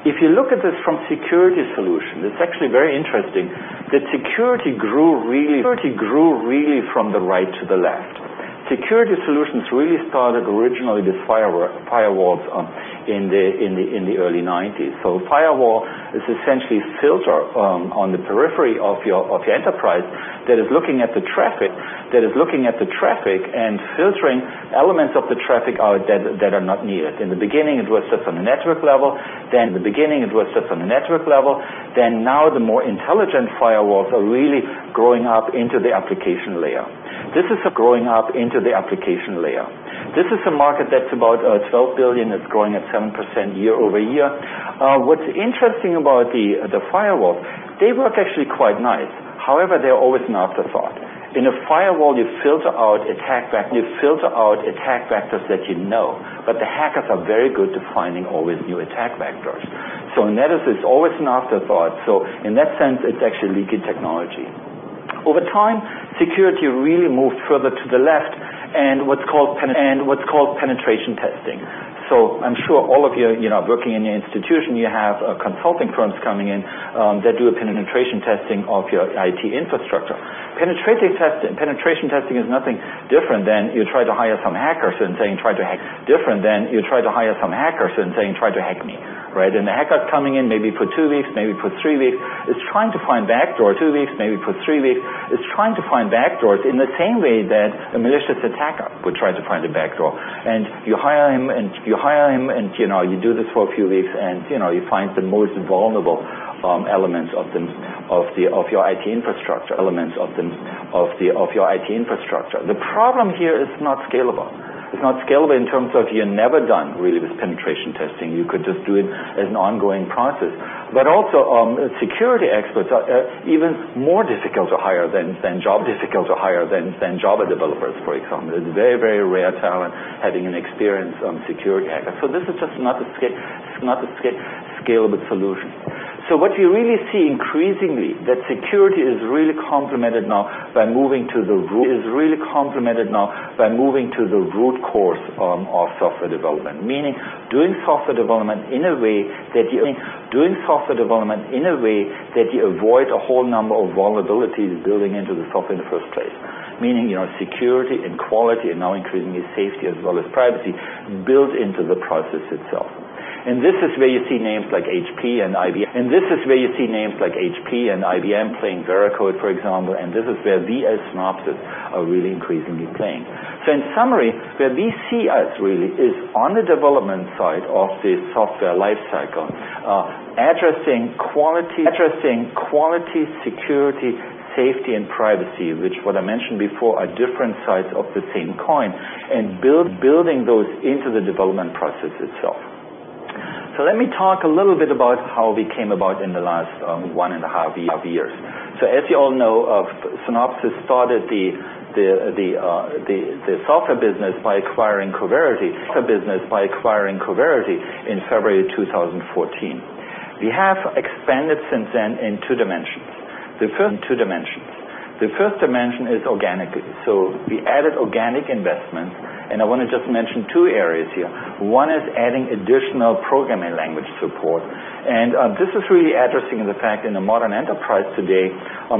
If you look at this from security solution, it's actually very interesting that security grew really from the right to the left. Security solutions really started originally with firewalls in the early 1990s. Firewall is essentially a filter on the periphery of your enterprise that is looking at the traffic and filtering elements of the traffic out that are not needed. In the beginning, it was just on the network level. Then now the more intelligent firewalls are really growing up into the application layer. This is a market that's about $12 billion, that's growing at 7% year-over-year. What's interesting about the firewall, they work actually quite nice. However, they're always an afterthought. In a firewall, you filter out attack vectors that you know, but the hackers are very good at finding always new attack vectors. In that, it's always an afterthought. In that sense, it's actually leaky technology. Over time, security really moved further to the left and what's called penetration testing. I'm sure all of you, working in your institution, you have consulting firms coming in that do a penetration testing of your IT infrastructure. Penetration testing is nothing different than you try to hire some hackers and saying, "Try to hack me." Right? The hackers coming in maybe for two weeks, maybe for three weeks, is trying to find backdoors. In the same way that a malicious attacker would try to find a backdoor. You hire him, you do this for a few weeks, and you find the most vulnerable elements of your IT infrastructure. The problem here, it's not scalable. It's not scalable in terms of you're never done really with penetration testing. You could just do it as an ongoing process. Also, security experts are even more difficult to hire than Java developers, for example. It's a very, very rare talent having experience as a security expert. This is just not a scalable solution. What you really see increasingly, that security is really complemented now by moving to the root cause of software development, meaning, doing software development in a way that you avoid a whole number of vulnerabilities building into the software in the first place. Meaning, security and quality, and now increasingly safety as well as privacy, built into the process itself. This is where you see names like HP and IBM playing Veracode, for example, and this is where we as Synopsys are really increasingly playing. In summary, where we see us really is on the development side of the software lifecycle, addressing quality, security, safety, and privacy, which, what I mentioned before, are different sides of the same coin, and building those into the development process itself. Let me talk a little bit about how we came about in the last 1.5 years. As you all know, Synopsys started the software business by acquiring Coverity in February 2014. We have expanded since then in 2 dimensions. The first dimension is organic. We added organic investment, and I want to just mention 2 areas here. One is adding additional programming language support. This is really addressing the fact in the modern enterprise today,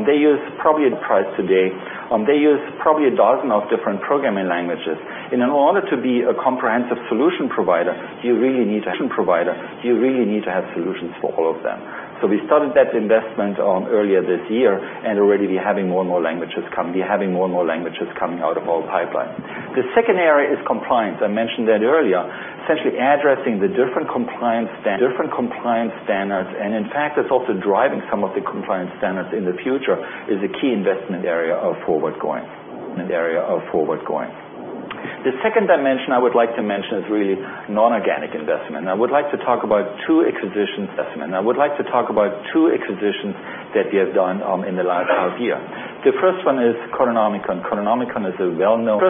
they use probably a dozen different programming languages. In order to be a comprehensive solution provider, you really need to have solutions for all of them. We started that investment earlier this year, already we're having more and more languages coming out of our pipeline. The second area is compliance. I mentioned that earlier. Essentially addressing the different compliance standards, and in fact, it's also driving some of the compliance standards in the future, is a key investment area forward going. The second dimension I would like to mention is really non-organic investment, and I would like to talk about 2 acquisitions that we have done in the last half year. The first one is Codenomicon. Codenomicon is a well-known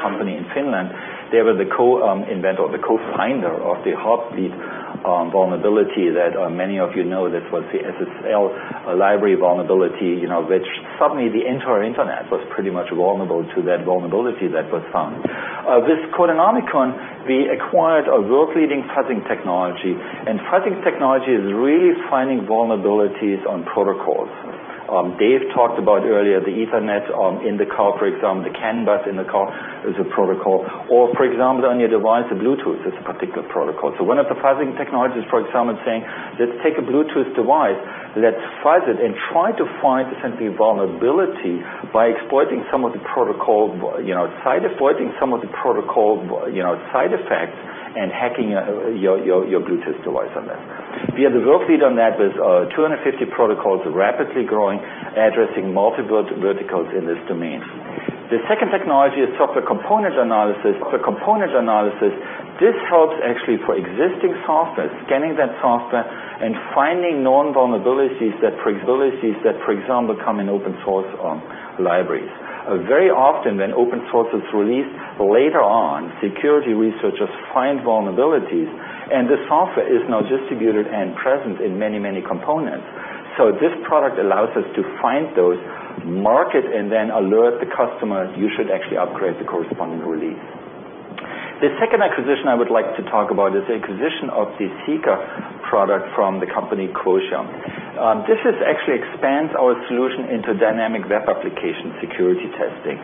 company in Finland. They were the co-inventor or the co-finder of the Heartbleed vulnerability that many of you know, that was the SSL library vulnerability, which suddenly the entire internet was pretty much vulnerable to that vulnerability that was found. With Codenomicon, we acquired a world-leading fuzzing technology. Fuzzing technology is really finding vulnerabilities on protocols. Dave talked about earlier the Ethernet in the car, for example, the CAN bus in the car is a protocol. Or for example, on your device, the Bluetooth is a particular protocol. One of the fuzzing technologies, for example, is saying, "Let's take a Bluetooth device, let's fuzz it and try to find essentially a vulnerability by exploiting some of the protocol side effects and hacking your Bluetooth device on that." We are the world lead on that with 250 protocols rapidly growing, addressing multiple verticals in this domain. The second technology is software composition analysis. Software composition analysis, this helps actually for existing software, scanning that software and finding known vulnerabilities that, for example, come in open source libraries. Very often when open source is released, later on, security researchers find vulnerabilities and the software is now distributed and present in many components. This product allows us to find those, mark it, and then alert the customer, "You should actually upgrade the corresponding release." The second acquisition I would like to talk about is the acquisition of the Seeker product from the company Quotium. This actually expands our solution into dynamic application security testing.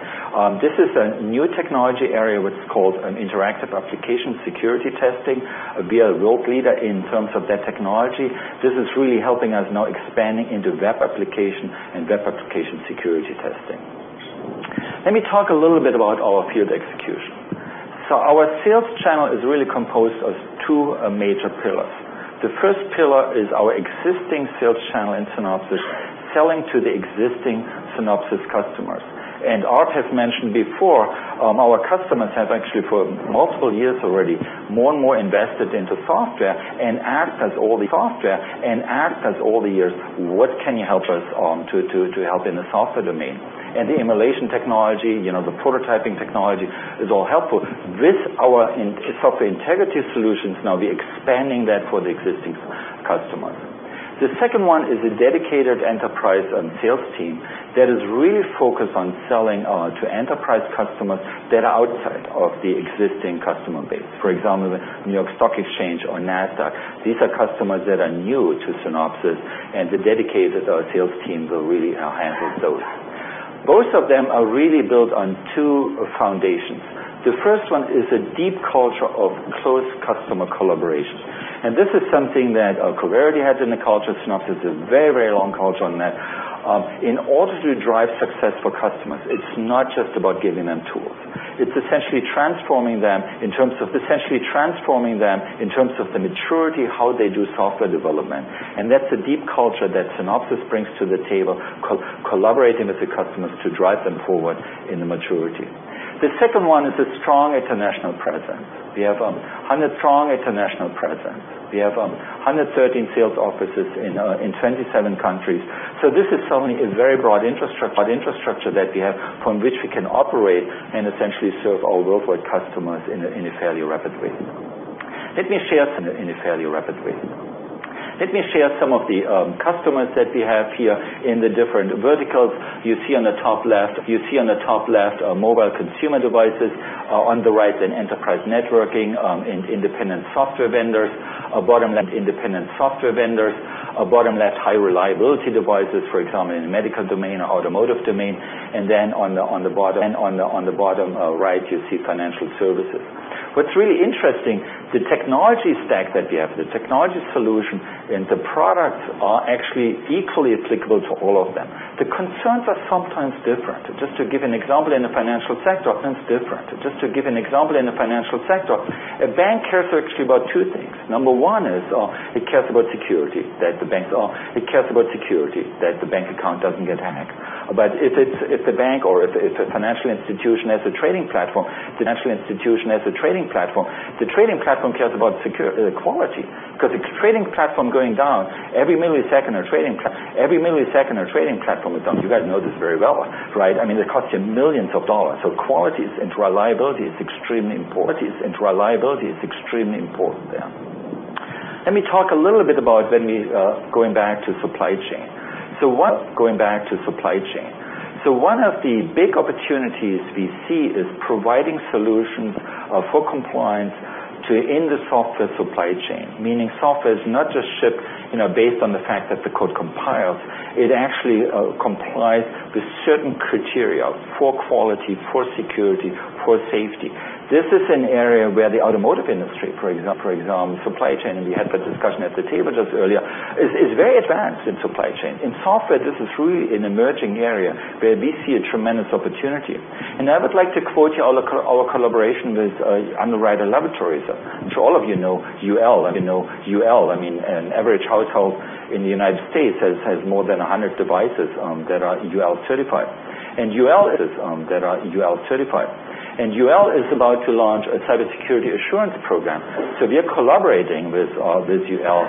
This is a new technology area, what's called an interactive application security testing. We are a world leader in terms of that technology. This is really helping us now expanding into web application and web application security testing. Let me talk a little bit about our field execution. Our sales channel is really composed of two major pillars. The first pillar is our existing sales channel in Synopsys, selling to the existing Synopsys customers. Aart has mentioned before, our customers have actually for multiple years already, more and more invested into software and asked us all the years, "What can you help us on to help in the software domain?" The emulation technology, the prototyping technology is all helpful. With our Software Integrity solutions now, we're expanding that for the existing customers. The second one is a dedicated enterprise and sales team that is really focused on selling to enterprise customers that are outside of the existing customer base. For example, New York Stock Exchange or Nasdaq. These are customers that are new to Synopsys, and the dedicated sales teams will really handle those. Both of them are really built on two foundations. The first one is a deep culture of close customer collaboration. This is something that Coverity has in the culture, Synopsys has a very long culture on that. In order to drive success for customers, it's not just about giving them tools. It's essentially transforming them in terms of the maturity, how they do software development. That's a deep culture that Synopsys brings to the table, collaborating with the customers to drive them forward in the maturity. The second one is a strong international presence. We have 113 sales offices in 27 countries. This is certainly a very broad infrastructure that we have from which we can operate and essentially serve our worldwide customers in a fairly rapid way. Let me share some of the customers that we have here in the different verticals. You see on the top left, mobile consumer devices. On the right, in enterprise networking, in independent software vendors. Bottom left, high reliability devices, for example, in the medical domain or automotive domain. Then on the bottom right, you see financial services. What's really interesting, the technology stack that we have, the technology solution and the products are actually equally applicable to all of them. The concerns are sometimes different. Just to give an example in the financial sector, a bank cares actually about two things. Number 1 is it cares about security, that the bank account doesn't get hacked. If the bank or if a financial institution has a trading platform, the trading platform cares about quality. Because a trading platform going down, every millisecond our trading platform is down. You guys know this very well, right? It costs you millions of dollars. Quality and reliability is extremely important there. Let me talk a little bit about going back to supply chain. One of the big opportunities we see is providing solutions for compliance in the software supply chain, meaning software is not just shipped based on the fact that the code compiles. It actually complies with certain criteria for quality, for security, for safety. This is an area where the automotive industry, for example, supply chain, and we had that discussion at the table just earlier, is very advanced in supply chain. In software, this is really an emerging area where we see a tremendous opportunity. I would like to quote our collaboration with Underwriters Laboratories. I am sure all of you know UL. An average household in the U.S. has more than 100 devices that are UL certified. UL is about to launch a cybersecurity assurance program. We are collaborating with UL,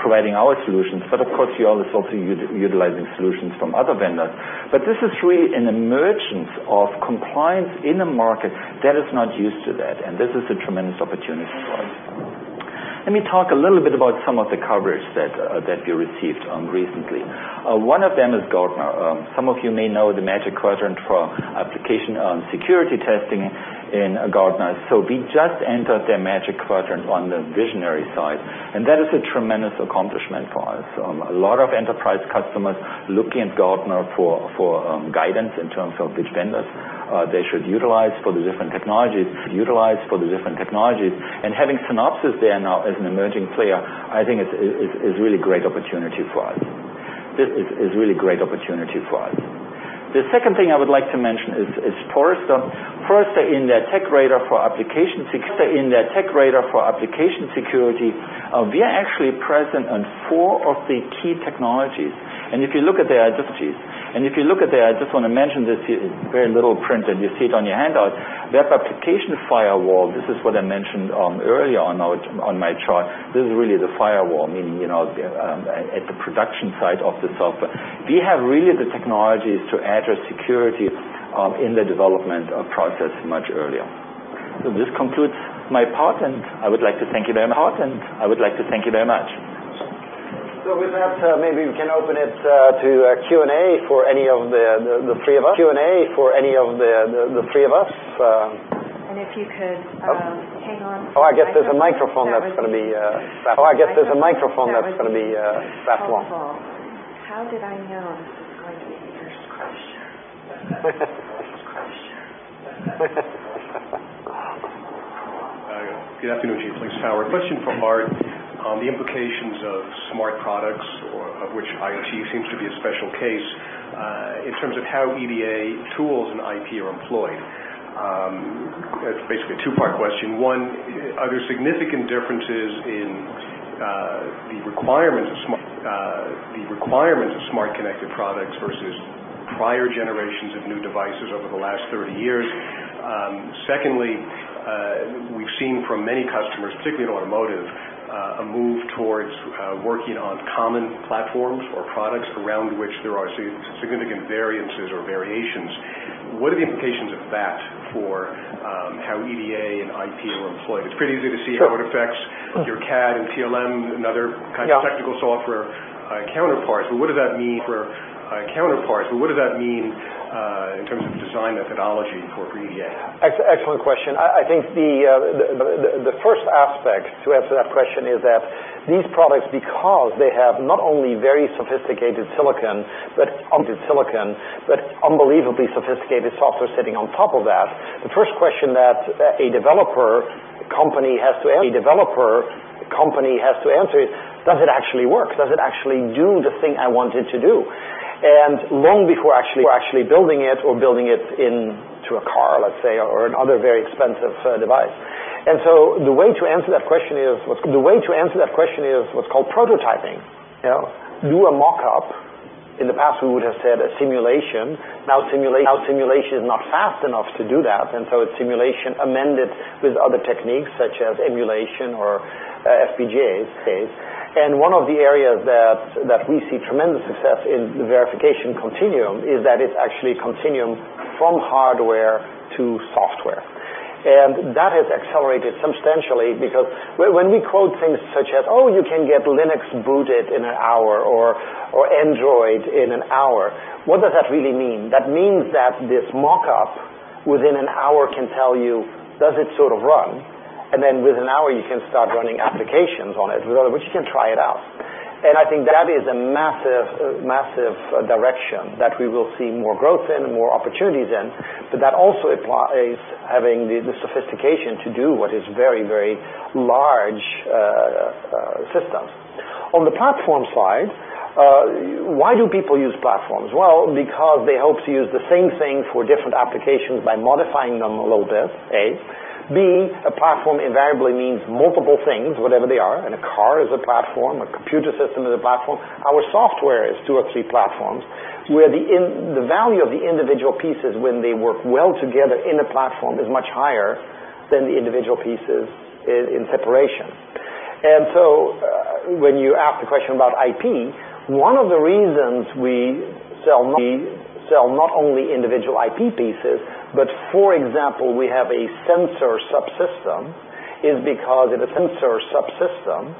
providing our solutions, but of course, UL is also utilizing solutions from other vendors. This is really an emergence of compliance in a market that is not used to that, and this is a tremendous opportunity for us. Let me talk a little bit about some of the coverage that we received recently. One of them is Gartner. Some of you may know the Magic Quadrant for application security testing in Gartner. We just entered their Magic Quadrant on the visionary side, and that is a tremendous accomplishment for us. A lot of enterprise customers look in Gartner for guidance in terms of which vendors they should utilize for the different technologies, and having Synopsys there now as an emerging player, I think is really great opportunity for us. The second thing I would like to mention is Forrester. Forrester in their TechRadar for Application Security, we are actually present on four of the key technologies. If you look at there, I just want to mention this here, very little print, and you see it on your handout. We have application firewall. This is what I mentioned earlier on my chart. This is really the firewall, meaning, at the production side of the software. We have really the technologies to address security in the development process much earlier. This concludes my part, and I would like to thank you very much. With that, maybe we can open it to Q&A for any of the three of us. If you could hang on- Oh, I guess there's a microphone that's going to be passed along. That would be helpful. How did I know this was going to be here? Good afternoon, [Geus and Lisa. This is] Howard. Question for Aart. The implications of smart products, of which IoT seems to be a special case, in terms of how EDA tools and IP are employed. It's basically a two-part question. One, are there significant differences in the requirements of smart connected products versus prior generations of new devices over the last 30 years? Secondly, we've seen from many customers, particularly in automotive, a move towards working on common platforms or products around which there are significant variances or variations. What are the implications of that for how EDA and IP are employed? It's pretty easy to see how it affects your CAD and TLM and other kind of technical software counterparts, but what does that mean in terms of design methodology for EDA? Excellent question. I think the first aspect to answer that question is that these products, because they have not only very sophisticated silicon, but unbelievably sophisticated software sitting on top of that, the first question that a developer company has to answer is, does it actually work? Does it actually do the thing I want it to do? Long before actually building it or building it into a car, let's say, or another very expensive device. The way to answer that question is what's called prototyping. Do a mock-up. In the past, we would have said a simulation. Now, simulation is not fast enough to do that. Simulation amended with other techniques such as emulation or FPGA's case. One of the areas that we see tremendous success in the Verification Continuum is that it's actually a continuum from hardware to software. That has accelerated substantially because when we quote things such as, oh, you can get Linux booted in an hour or Android in an hour, what does that really mean? That means that this mock-up within an hour can tell you, does it sort of run? Within an hour, you can start running applications on it, which you can try it out. I think that is a massive direction that we will see more growth in and more opportunities in. That also implies having the sophistication to do what is very large systems. On the platform side, why do people use platforms? Well, because they hope to use the same thing for different applications by modifying them a little bit, A. B, a platform invariably means multiple things, whatever they are. A car is a platform, a computer system is a platform. Our software is two or three platforms, where the value of the individual pieces when they work well together in a platform is much higher than the individual pieces in separation. When you ask the question about IP, one of the reasons we sell not only individual IP pieces, but for example, we have a sensor subsystem, is because in a sensor subsystem,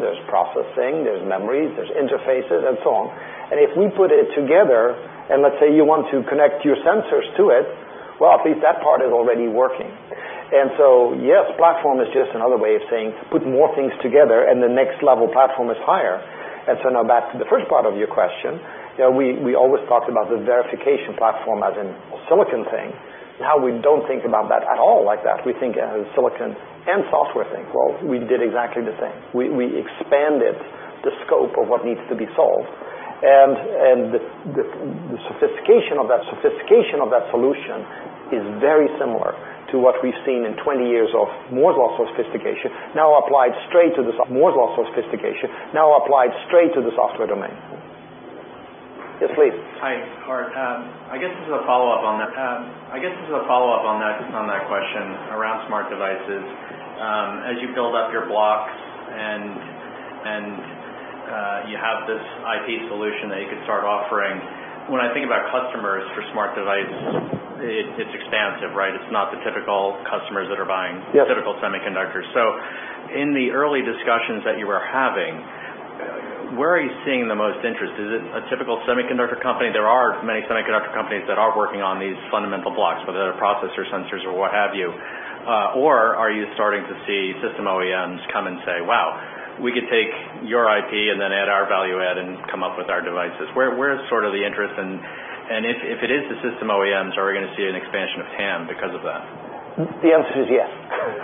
there's processing, there's memories, there's interfaces and so on. If we put it together and let's say you want to connect your sensors to it, well, at least that part is already working. Yes, platform is just another way of saying put more things together and the next level platform is higher. Now back to the first part of your question. We always talked about the verification platform as a silicon thing. Now we don't think about that at all like that. We think as silicon and software thing. Well, we did exactly the same. We expanded the scope of what needs to be solved. The sophistication of that solution is very similar to what we've seen in 20 years of Moore's Law sophistication now applied straight to the software domain. Yes, please. Hi, Aart. I guess this is a follow-up on that question around smart devices. As you build up your blocks and You have this IP solution that you could start offering. When I think about customers for smart devices, it's expansive, right? It's not the typical customers that are buying- Yes typical semiconductors. In the early discussions that you were having, where are you seeing the most interest? Is it a typical semiconductor company? There are many semiconductor companies that are working on these fundamental blocks, whether they're processor sensors or what have you. Or are you starting to see system OEMs come and say, "Wow, we could take your IP and then add our value add and come up with our devices." Where is the interest, and if it is the system OEMs, are we going to see an expansion of TAM because of that? The answer is yes.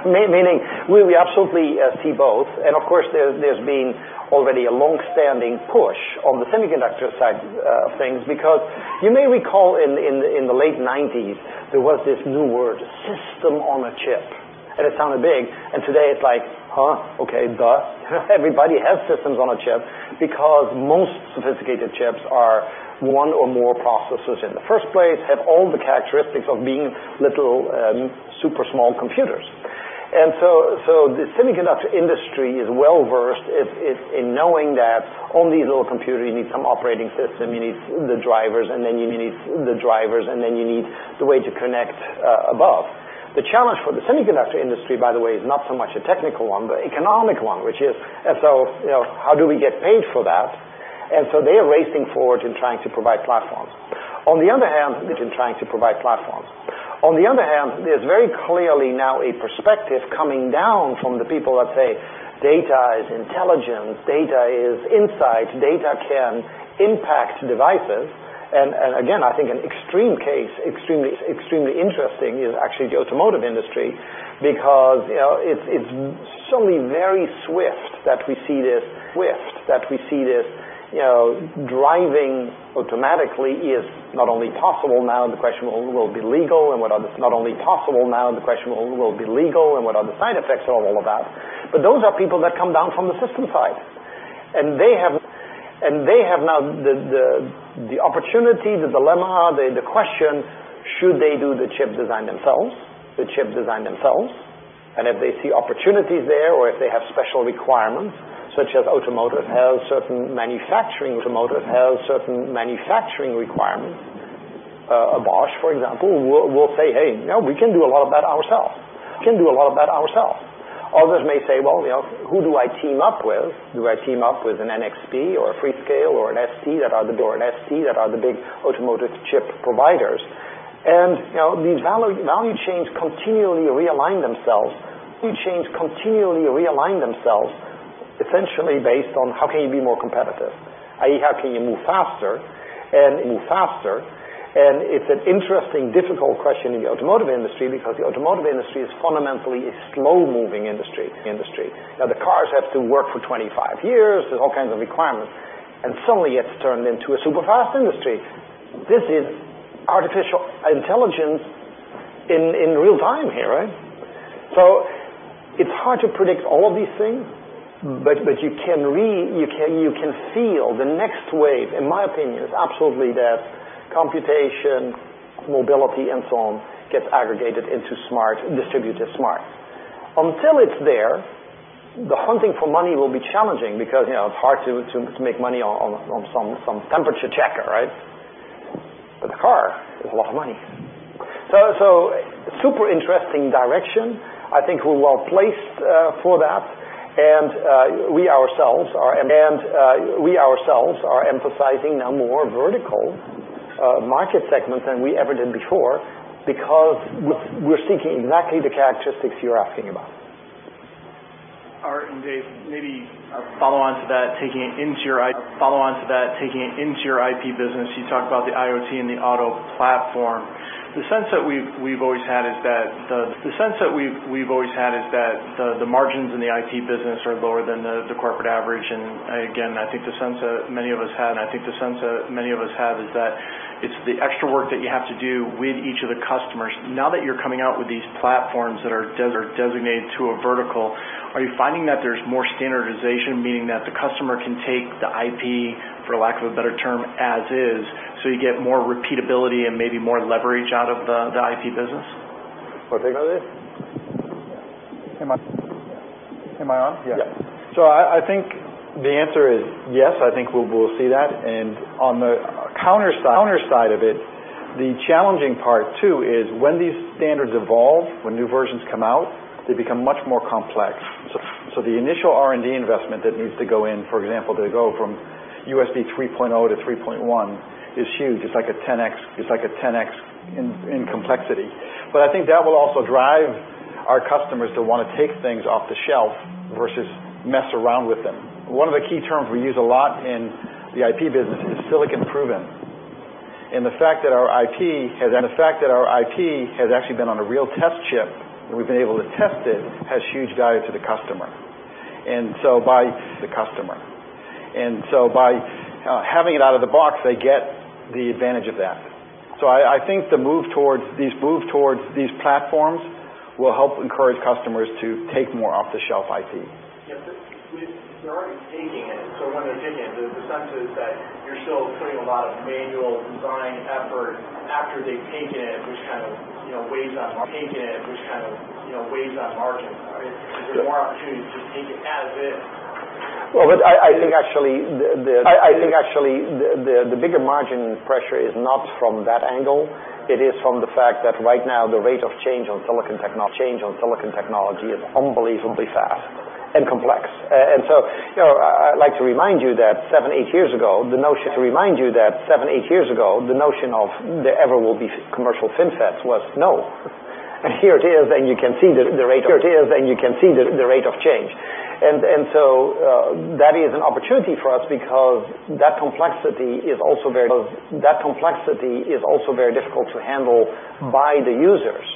Okay. Meaning we absolutely see both, of course, there's been already a long-standing push on the semiconductor side of things because you may recall in the late 1990s there was this new word, system on a chip, and it sounded big, and today it's like, huh, okay, duh. Everybody has systems on a chip because most sophisticated chips are one or more processors in the first place, have all the characteristics of being little super small computers. The semiconductor industry is well-versed in knowing that on these little computers you need some operating system, you need the drivers, and then you need the way to connect above. The challenge for the semiconductor industry, by the way, is not so much a technical one, but an economic one, which is, how do we get paid for that? They are racing forward in trying to provide platforms. On the other hand, there is very clearly now a perspective coming down from the people that say data is intelligence, data is insight, data can impact devices. Again, I think an extreme case, extremely interesting is actually the automotive industry because it is suddenly very swift that we see this driving automatically is not only possible now, the question will it be legal and what are the side effects of all of that? Those are people that come down from the system side, and they have now the opportunity, the dilemma, the question, should they do the chip design themselves, and if they see opportunities there or if they have special requirements, such as automotive has certain manufacturing requirements. A Bosch, for example, will say, "Hey, we can do a lot of that ourselves." Others may say, "Well, who do I team up with? Do I team up with an NXP or a Freescale or an ST that are the big automotive chip providers?" These value chains continually realign themselves essentially based on how can you be more competitive, i.e., how can you move faster? It is an interesting, difficult question in the automotive industry because the automotive industry is fundamentally a slow-moving industry. Now the cars have to work for 25 years. There is all kinds of requirements, and suddenly it is turned into a super fast industry. This is artificial intelligence in real time here. It is hard to predict all of these things, but you can feel the next wave, in my opinion, is absolutely that computation, mobility, and so on, gets aggregated into distributive smart. Until it is there, the hunting for money will be challenging because it is hard to make money on some temperature checker, right? The car is a lot of money. Super interesting direction. I think we are well-placed for that, and we ourselves are emphasizing now more vertical market segments than we ever did before because we are seeking exactly the characteristics you are asking about. Aart and Dave, maybe a follow-on to that, taking it into your IP business. You talked about the IoT and the auto platform. The sense that we have always had is that the margins in the IP business are lower than the corporate average, and again, I think the sense that many of us have is that it is the extra work that you have to do with each of the customers. Now that you are coming out with these platforms that are designated to a vertical, are you finding that there is more standardization, meaning that the customer can take the IP, for lack of a better term, as is, so you get more repeatability and maybe more leverage out of the IP business? Want to take that, Dave? Am I on? Yeah. I think the answer is yes. I think we'll see that. On the counter side of it, the challenging part too is when these standards evolve, when new versions come out, they become much more complex. The initial R&D investment that needs to go in, for example, to go from USB 3.0 to 3.1 is huge. It's like a 10X in complexity. I think that will also drive our customers to want to take things off the shelf versus mess around with them. One of the key terms we use a lot in the IP business is silicon-proven. The fact that our IP has actually been on a real test chip, and we've been able to test it, has huge value to the customer. By having it out of the box, they get the advantage of that. I think these moves towards these platforms will help encourage customers to take more off-the-shelf IP. Yeah, they're already taking it. When they take. The sense is that you're still putting a lot of manual design effort after they take it in, which kind of weighs on margin. Is there more opportunity to just take it as is? I think actually the bigger margin pressure is not from that angle. It is from the fact that right now the rate of change on silicon technology is unbelievably fast and complex. I'd like to remind you that seven, eight years ago, the notion of there ever will be commercial FinFET was no. Here it is, you can see the rate of change. That is an opportunity for us because that complexity is also very difficult to handle by the users.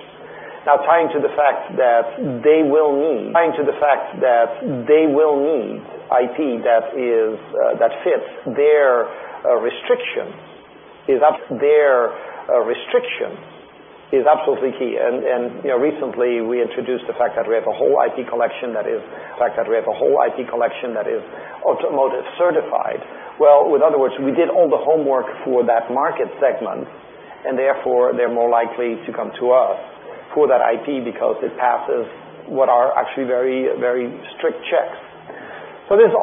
Now tying to the fact that they will need IP that fits their restrictions is absolutely key. Recently we introduced the fact that we have a whole IP collection that is automotive certified. With other words, we did all the homework for that market segment, therefore they're more likely to come to us for that IP because it passes what are actually very strict checks. I think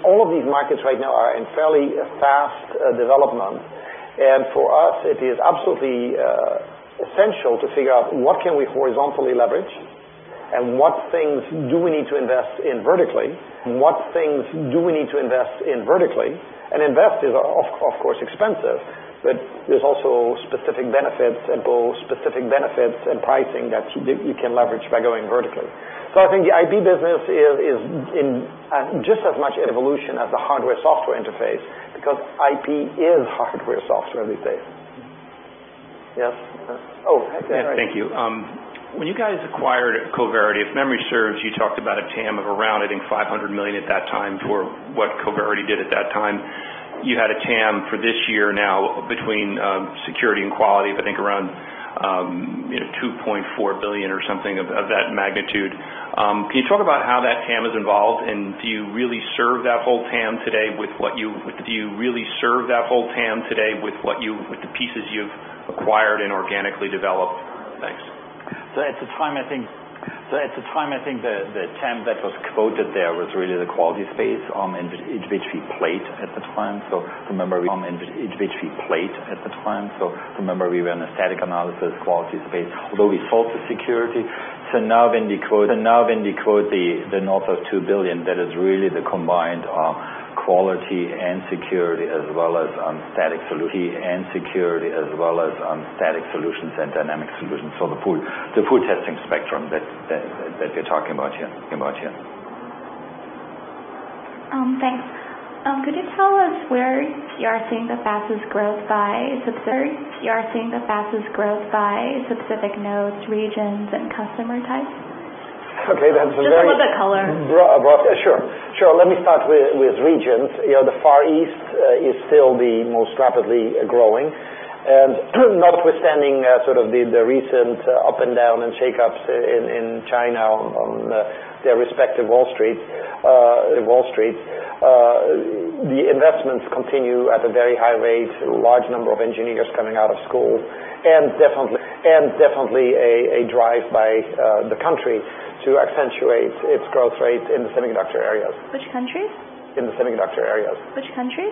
all of these markets right now are in fairly fast development. For us, it is absolutely essential to figure out what can we horizontally leverage and what things do we need to invest in vertically. Invest is, of course, expensive, there's also specific benefits and pricing that you can leverage by going vertically. I think the IP business is in just as much evolution as the hardware-software interface because IP is hardware-software these days. Yes? Oh. Thank you. When you guys acquired Coverity, if memory serves, you talked about a TAM of around, I think, $500 million at that time for what Coverity did at that time. You had a TAM for this year now between security and quality of I think around $2.4 billion or something of that magnitude. Can you talk about how that TAM has evolved, and do you really serve that whole TAM today with the pieces you've acquired and organically developed? Thanks. At the time, I think the TAM that was quoted there was really the quality space which we played at the time. Remember, we were in a static analysis quality space, although we sold to security. Now when they quote the north of $2 billion, that is really the combined quality and security as well as static solutions and dynamic solutions. The full testing spectrum that you're talking about here. Thanks. Could you tell us where you are seeing the fastest growth by specific nodes, regions, and customer types? Okay. Just a little bit color. Sure. Let me start with regions. The Far East is still the most rapidly growing, and notwithstanding sort of the recent up and down and shakeups in China on their respective Wall Street, the investments continue at a very high rate, a large number of engineers coming out of school, and definitely a drive by the country to accentuate its growth rate in the semiconductor areas. Which country? In the semiconductor areas. Which country?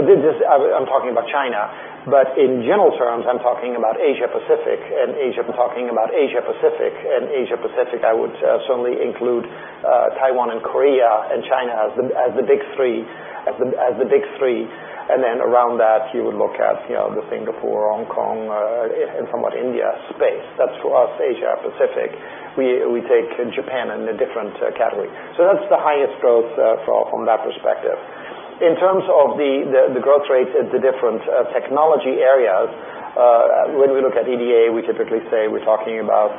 I'm talking about China, but in general terms, I'm talking about Asia-Pacific. Asia-Pacific, I would certainly include Taiwan and Korea and China as the big three. Then around that, you would look at the Singapore, Hong Kong, and somewhat India space. That's for us, Asia-Pacific. We take Japan in a different category. That's the highest growth from that perspective. In terms of the growth rate at the different technology areas, when we look at EDA, we typically say we're talking about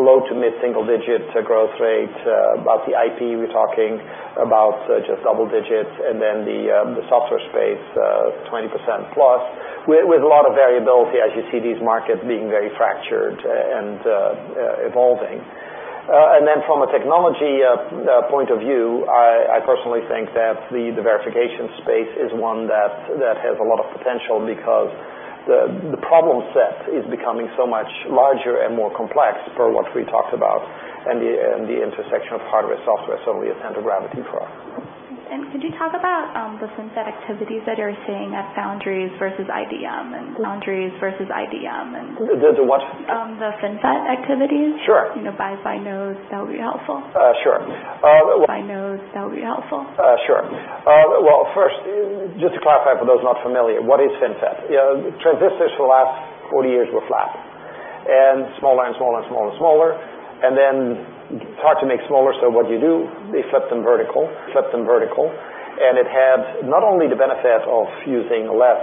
low to mid-single-digit growth rate. About the IP, we're talking about just double digits. Then the software space, 20% plus with a lot of variability as you see these markets being very fractured and evolving. Then from a technology point of view, I personally think that the verification space is one that has a lot of potential because the problem set is becoming so much larger and more complex per what we talked about and the intersection of hardware, software, certainly a center of gravity for us. Could you talk about the FinFET activities that you're seeing at Foundries versus IDM and The what? The FinFET activities. Sure. By nodes, that would be helpful. Sure. By nodes, that would be helpful. First, just to clarify for those not familiar, what is FinFET? Transistors for the last 40 years were flat and smaller and smaller and smaller and smaller. Then it's hard to make smaller, so what do you do? They flipped them vertical. It had not only the benefit of using less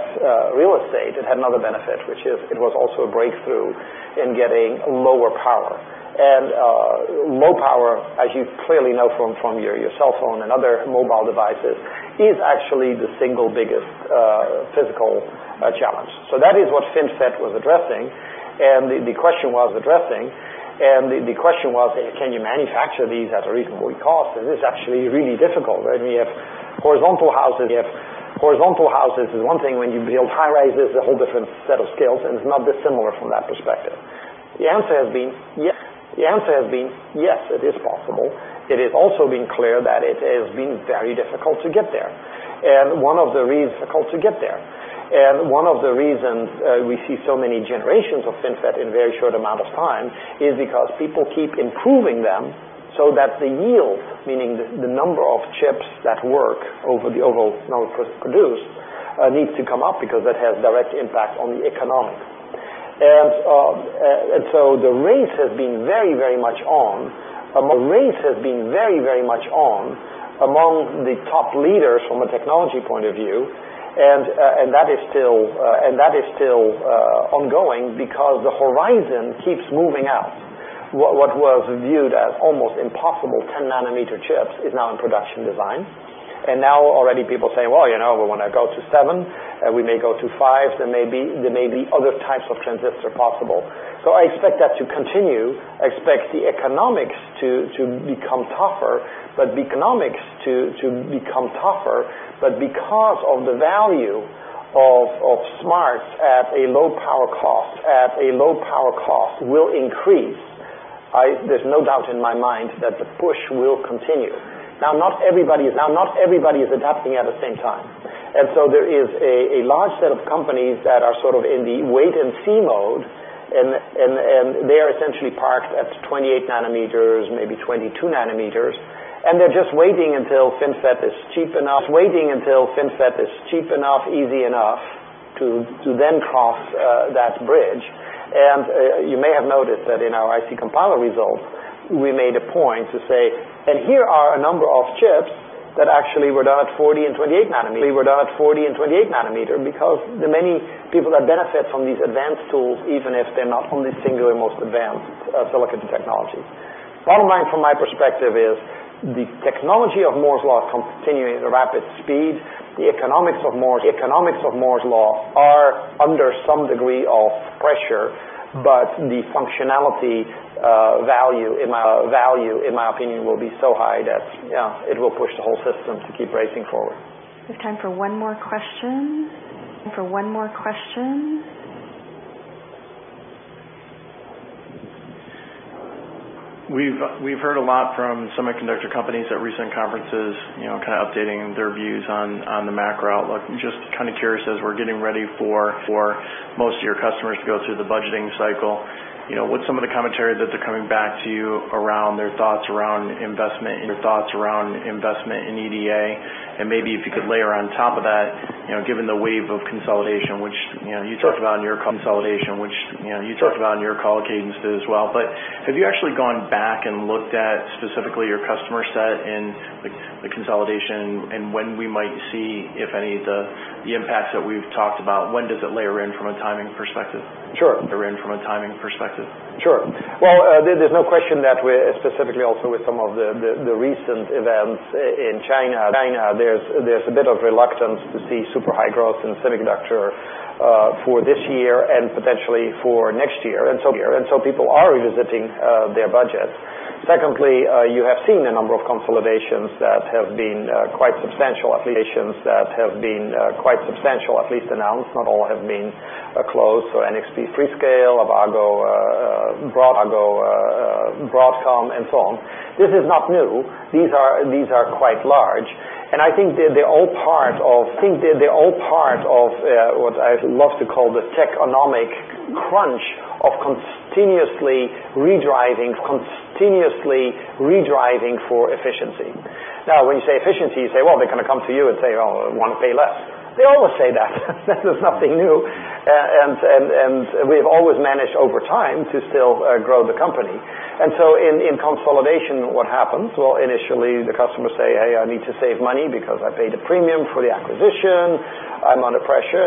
real estate, it had another benefit, which is it was also a breakthrough in getting lower power. Low power, as you clearly know from your cell phone and other mobile devices, is actually the single biggest physical challenge. That is what FinFET was addressing, and the question was, can you manufacture these at a reasonable cost? It's actually really difficult, right? We have horizontal houses is one thing. When you build high-rises, it's a whole different set of skills, it's not dissimilar from that perspective. The answer has been yes, it is possible. It has also been clear that it has been very difficult to get there. One of the reasons we see so many generations of FinFET in a very short amount of time is because people keep improving them so that the yield, meaning the number of chips that work over the overall number produced, needs to come up because that has a direct impact on the economics. The race has been very much on among the top leaders from a technology point of view, and that is still ongoing because the horizon keeps moving out. What was viewed as almost impossible, 10 nm chips, is now in production design. Now already people say, "Well, we want to go to seven, we may go to five. There may be other types of transistors possible." I expect that to continue. I expect the economics to become tougher, because of the value of smarts at a low power cost will increase. There's no doubt in my mind that the push will continue. Not everybody is adapting at the same time. There is a large set of companies that are sort of in the wait-and-see mode, and they are essentially parked at 28 nm, maybe 22 nm, and they're just waiting until FinFET is cheap enough, easy enough to then cross that bridge. You may have noticed that in our IC Compiler results, we made a point to say, here are a number of chips that actually were done at 40 and 28 nm because the many people that benefit from these advanced tools, even if they're not on the singular most advanced silicon technologies. Bottom line from my perspective is the technology of Moore's Law is continuing at a rapid speed. The economics of Moore's Law are under some degree of pressure, the functionality value, in my opinion, will be so high that it will push the whole system to keep racing forward. We have time for one more question. We've heard a lot from semiconductor companies at recent conferences kind of updating their views on the macro outlook. Just kind of curious, as we're getting ready for most of your customers to go through the budgeting cycle, what's some of the commentary that they're coming back to you around their thoughts around investment in EDA? Maybe if you could layer on top of that, given the wave of consolidation, which you talked about on your call cadence as well. Have you actually gone back and looked at specifically your customer set and the consolidation and when we might see, if any, the impacts that we've talked about? When does it layer in from a timing perspective? Sure. Well, there's no question that specifically also with some of the recent events in China, there's a bit of reluctance to see super high growth in semiconductor for this year and potentially for next year. People are revisiting their budgets. Secondly, you have seen a number of consolidations that have been quite substantial, at least announced. Not all have been closed. NXP-Freescale, Avago-Broadcom, and so on. This is not new. These are quite large, and I think they're all part of what I love to call the techonomic crunch of continuously redriving for efficiency. Now, when you say efficiency, you say, well, they're going to come to you and say, "Oh, I want to pay less." They always say that. There's nothing new. We've always managed over time to still grow the company. In consolidation, what happens? Well, initially, the customers say, "Hey, I need to save money because I paid a premium for the acquisition. I'm under pressure."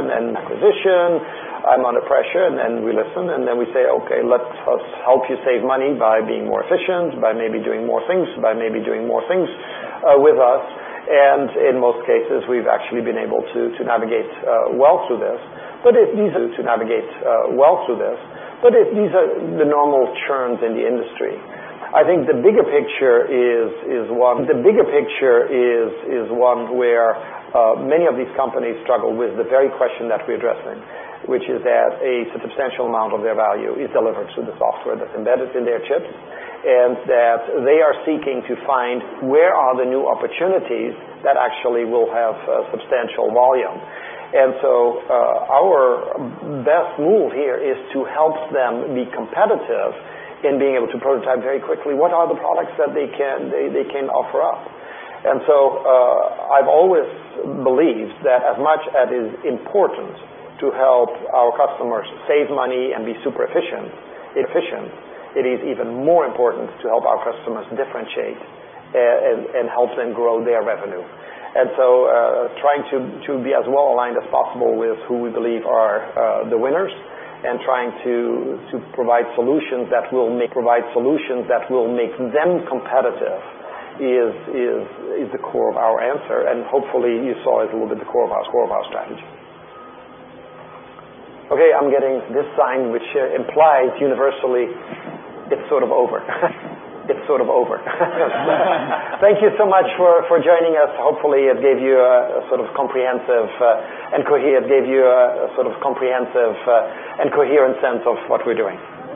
Then we listen, then we say, "Okay, let us help you save money by being more efficient, by maybe doing more things with us." In most cases, we've actually been able to navigate well through this. These are the normal churns in the industry. I think the bigger picture is one where many of these companies struggle with the very question that we're addressing, which is that a substantial amount of their value is delivered through the software that's embedded in their chips, and that they are seeking to find where are the new opportunities that actually will have substantial volume. Our best move here is to help them be competitive in being able to prototype very quickly what are the products that they can offer up. I've always believed that as much as it's important to help our customers save money and be super efficient, it is even more important to help our customers differentiate and help them grow their revenue. Trying to be as well aligned as possible with who we believe are the winners and trying to provide solutions that will make them competitive is the core of our answer, and hopefully, you saw it a little bit, the core of our strategy. Okay, I'm getting this sign, which implies universally it's sort of over. Thank you so much for joining us. Hopefully, it gave you a sort of comprehensive and coherent sense of what we're doing.